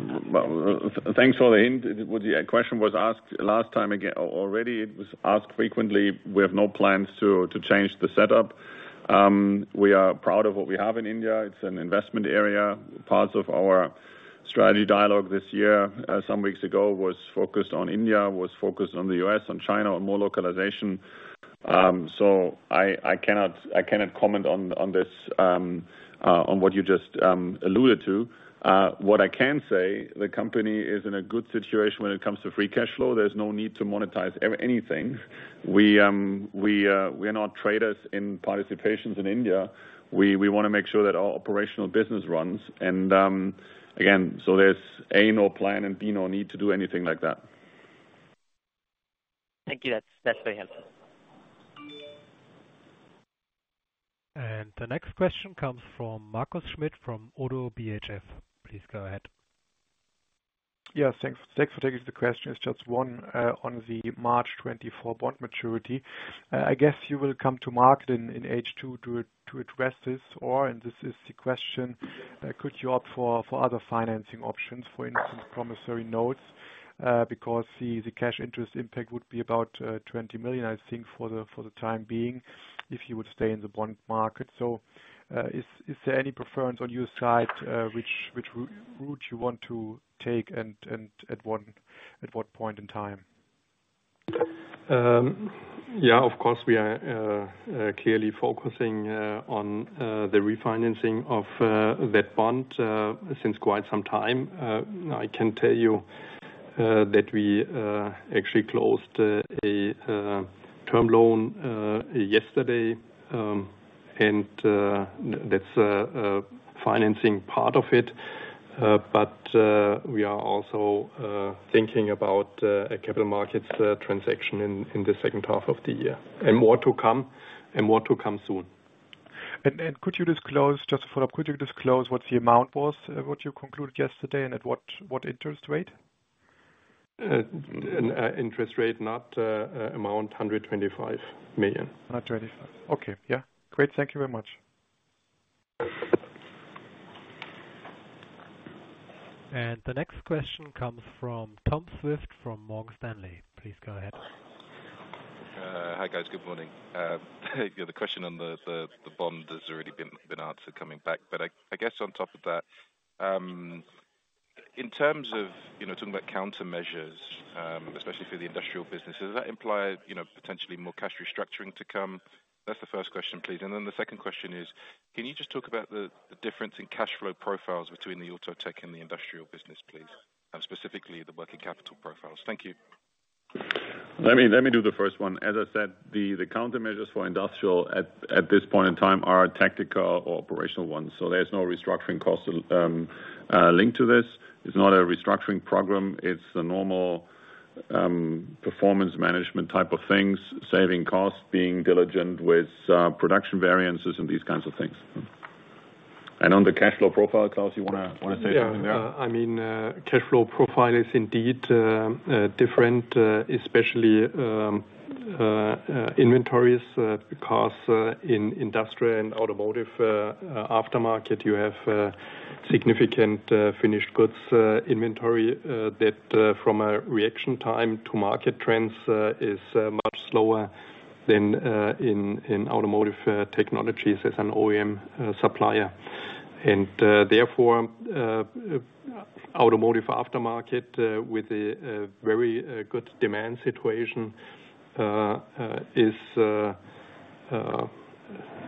thanks for the hint. What the question was asked last time again, already, it was asked frequently. We have no plans to change the setup. We are proud of what we have in India. It's an investment area. Parts of our strategy dialogue this year, some weeks ago, was focused on India, was focused on the U.S., on China, on more localization. I, I cannot, I cannot comment on this, on what you just alluded to. What I can say, the company is in a good situation when it comes to free cash flow. There's no need to monetize anything. We, we, we are not traders in participations in India. We, we wanna make sure that our operational business runs, and, again, so there's A, no plan, and B, no need to do anything like that. Thank you. That's, that's very helpful. The next question comes from Markus Schmitt, from ODDO BHF. Please go ahead. Yeah, thanks. Thanks for taking the question. It's just one, on the March 2024 bond maturity. I guess you will come to market in, in H2 to, to address this, or and this is the question, could you opt for, for other financing options, for instance, promissory notes? Because the, the cash interest impact would be about 20 million, I think, for the, for the time being, if you would stay in the bond market. Is there any preference on your side, which route you want to take and, and at what, at what point in time?... yeah, of course, we are clearly focusing on the refinancing of that bond since quite some time. I can tell you that we actually closed a term loan yesterday. That's financing part of it. We are also thinking about a capital markets transaction in the second half of the year, and more to come, and more to come soon. Could you disclose, just to follow up, could you disclose what the amount was, what you concluded yesterday, and at what, what interest rate? An interest rate, not amount 125 million. 125. Okay. Yeah. Great, thank you very much. The next question comes from Thomas Swift from Morgan Stanley. Please go ahead. Hi, guys. Good morning. Yeah, the question on the, the, the bond has already been, been answered coming back. I, I guess on top of that, in terms of, you know, talking about countermeasures, especially for the industrial businesses, does that imply, you know, potentially more cash restructuring to come? That's the first question, please. Then the second question is, can you just talk about the, the difference in cash flow profiles between the Auto Tech and the industrial business, please, and specifically the working capital profiles? Thank you. Let me, let me do the first one. As I said, the, the countermeasures for industrial at, at this point in time, are tactical or operational ones, so there's no restructuring costs linked to this. It's not a restructuring program. It's a normal performance management type of things, saving costs, being diligent with production variances and these kinds of things. On the cash flow profile, Claus, you wanna, wanna say something there? Yeah. I mean, cash flow profile is indeed different, especially inventories, because in industrial and automotive aftermarket, you have significant finished goods inventory. That from a reaction time to market trends is much slower than in Automotive Technologies as an OEM supplier. Therefore, automotive aftermarket with a very good demand situation is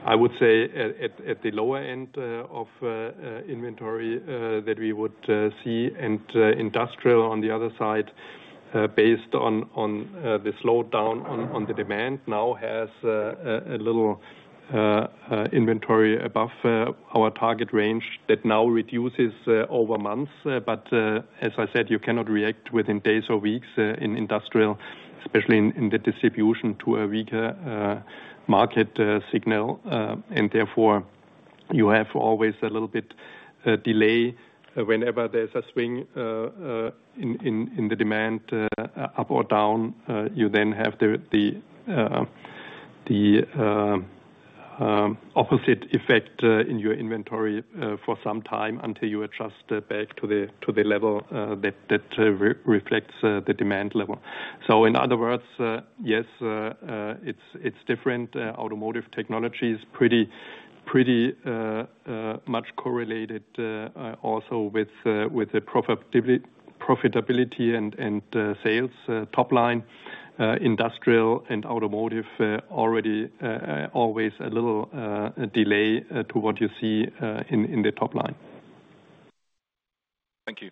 I would say at the lower end of inventory that we would see. Industrial, on the other side, based on the slowdown on the demand, now has a little inventory above our target range that now reduces over months. As I said, you cannot react within days or weeks in industrial, especially in the distribution to a weaker market signal. Therefore, you have always a little bit delay whenever there's a swing in the demand up or down. You then have the opposite effect in your inventory for some time until you adjust back to the level that re-reflects the demand level. In other words, yes, it's different. Automotive Technologies is pretty much correlated also with the profitability and sales top line. Industrial and automotive already always a little delay to what you see in the top line. Thank you.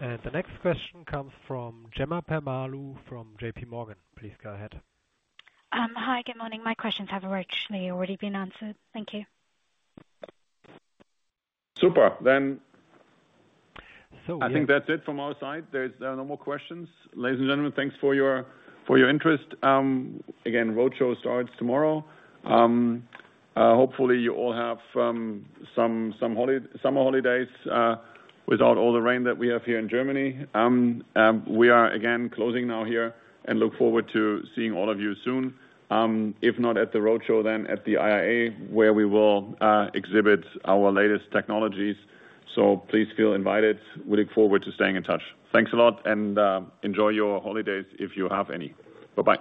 The next question comes from Jemma Permalloo from JPMorgan. Please go ahead. Hi. Good morning. My questions have actually already been answered. Thank you. Super. yeah-... I think that's it from our side. There's no more questions. Ladies and gentlemen, thanks for your, for your interest. Again, roadshow starts tomorrow. Hopefully, you all have some, somet holidays, without all the rain that we have here in Germany. We are again closing now here, and look forward to seeing all of you soon, if not at the roadshow, then at the IAA, where we will exhibit our latest technologies. Please feel invited. We look forward to staying in touch. Thanks a lot, and enjoy your holidays if you have any. Bye-bye.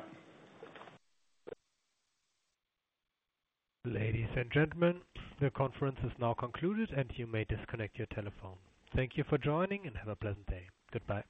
Ladies and gentlemen, the conference is now concluded. You may disconnect your telephone. Thank you for joining. Have a pleasant day. Goodbye.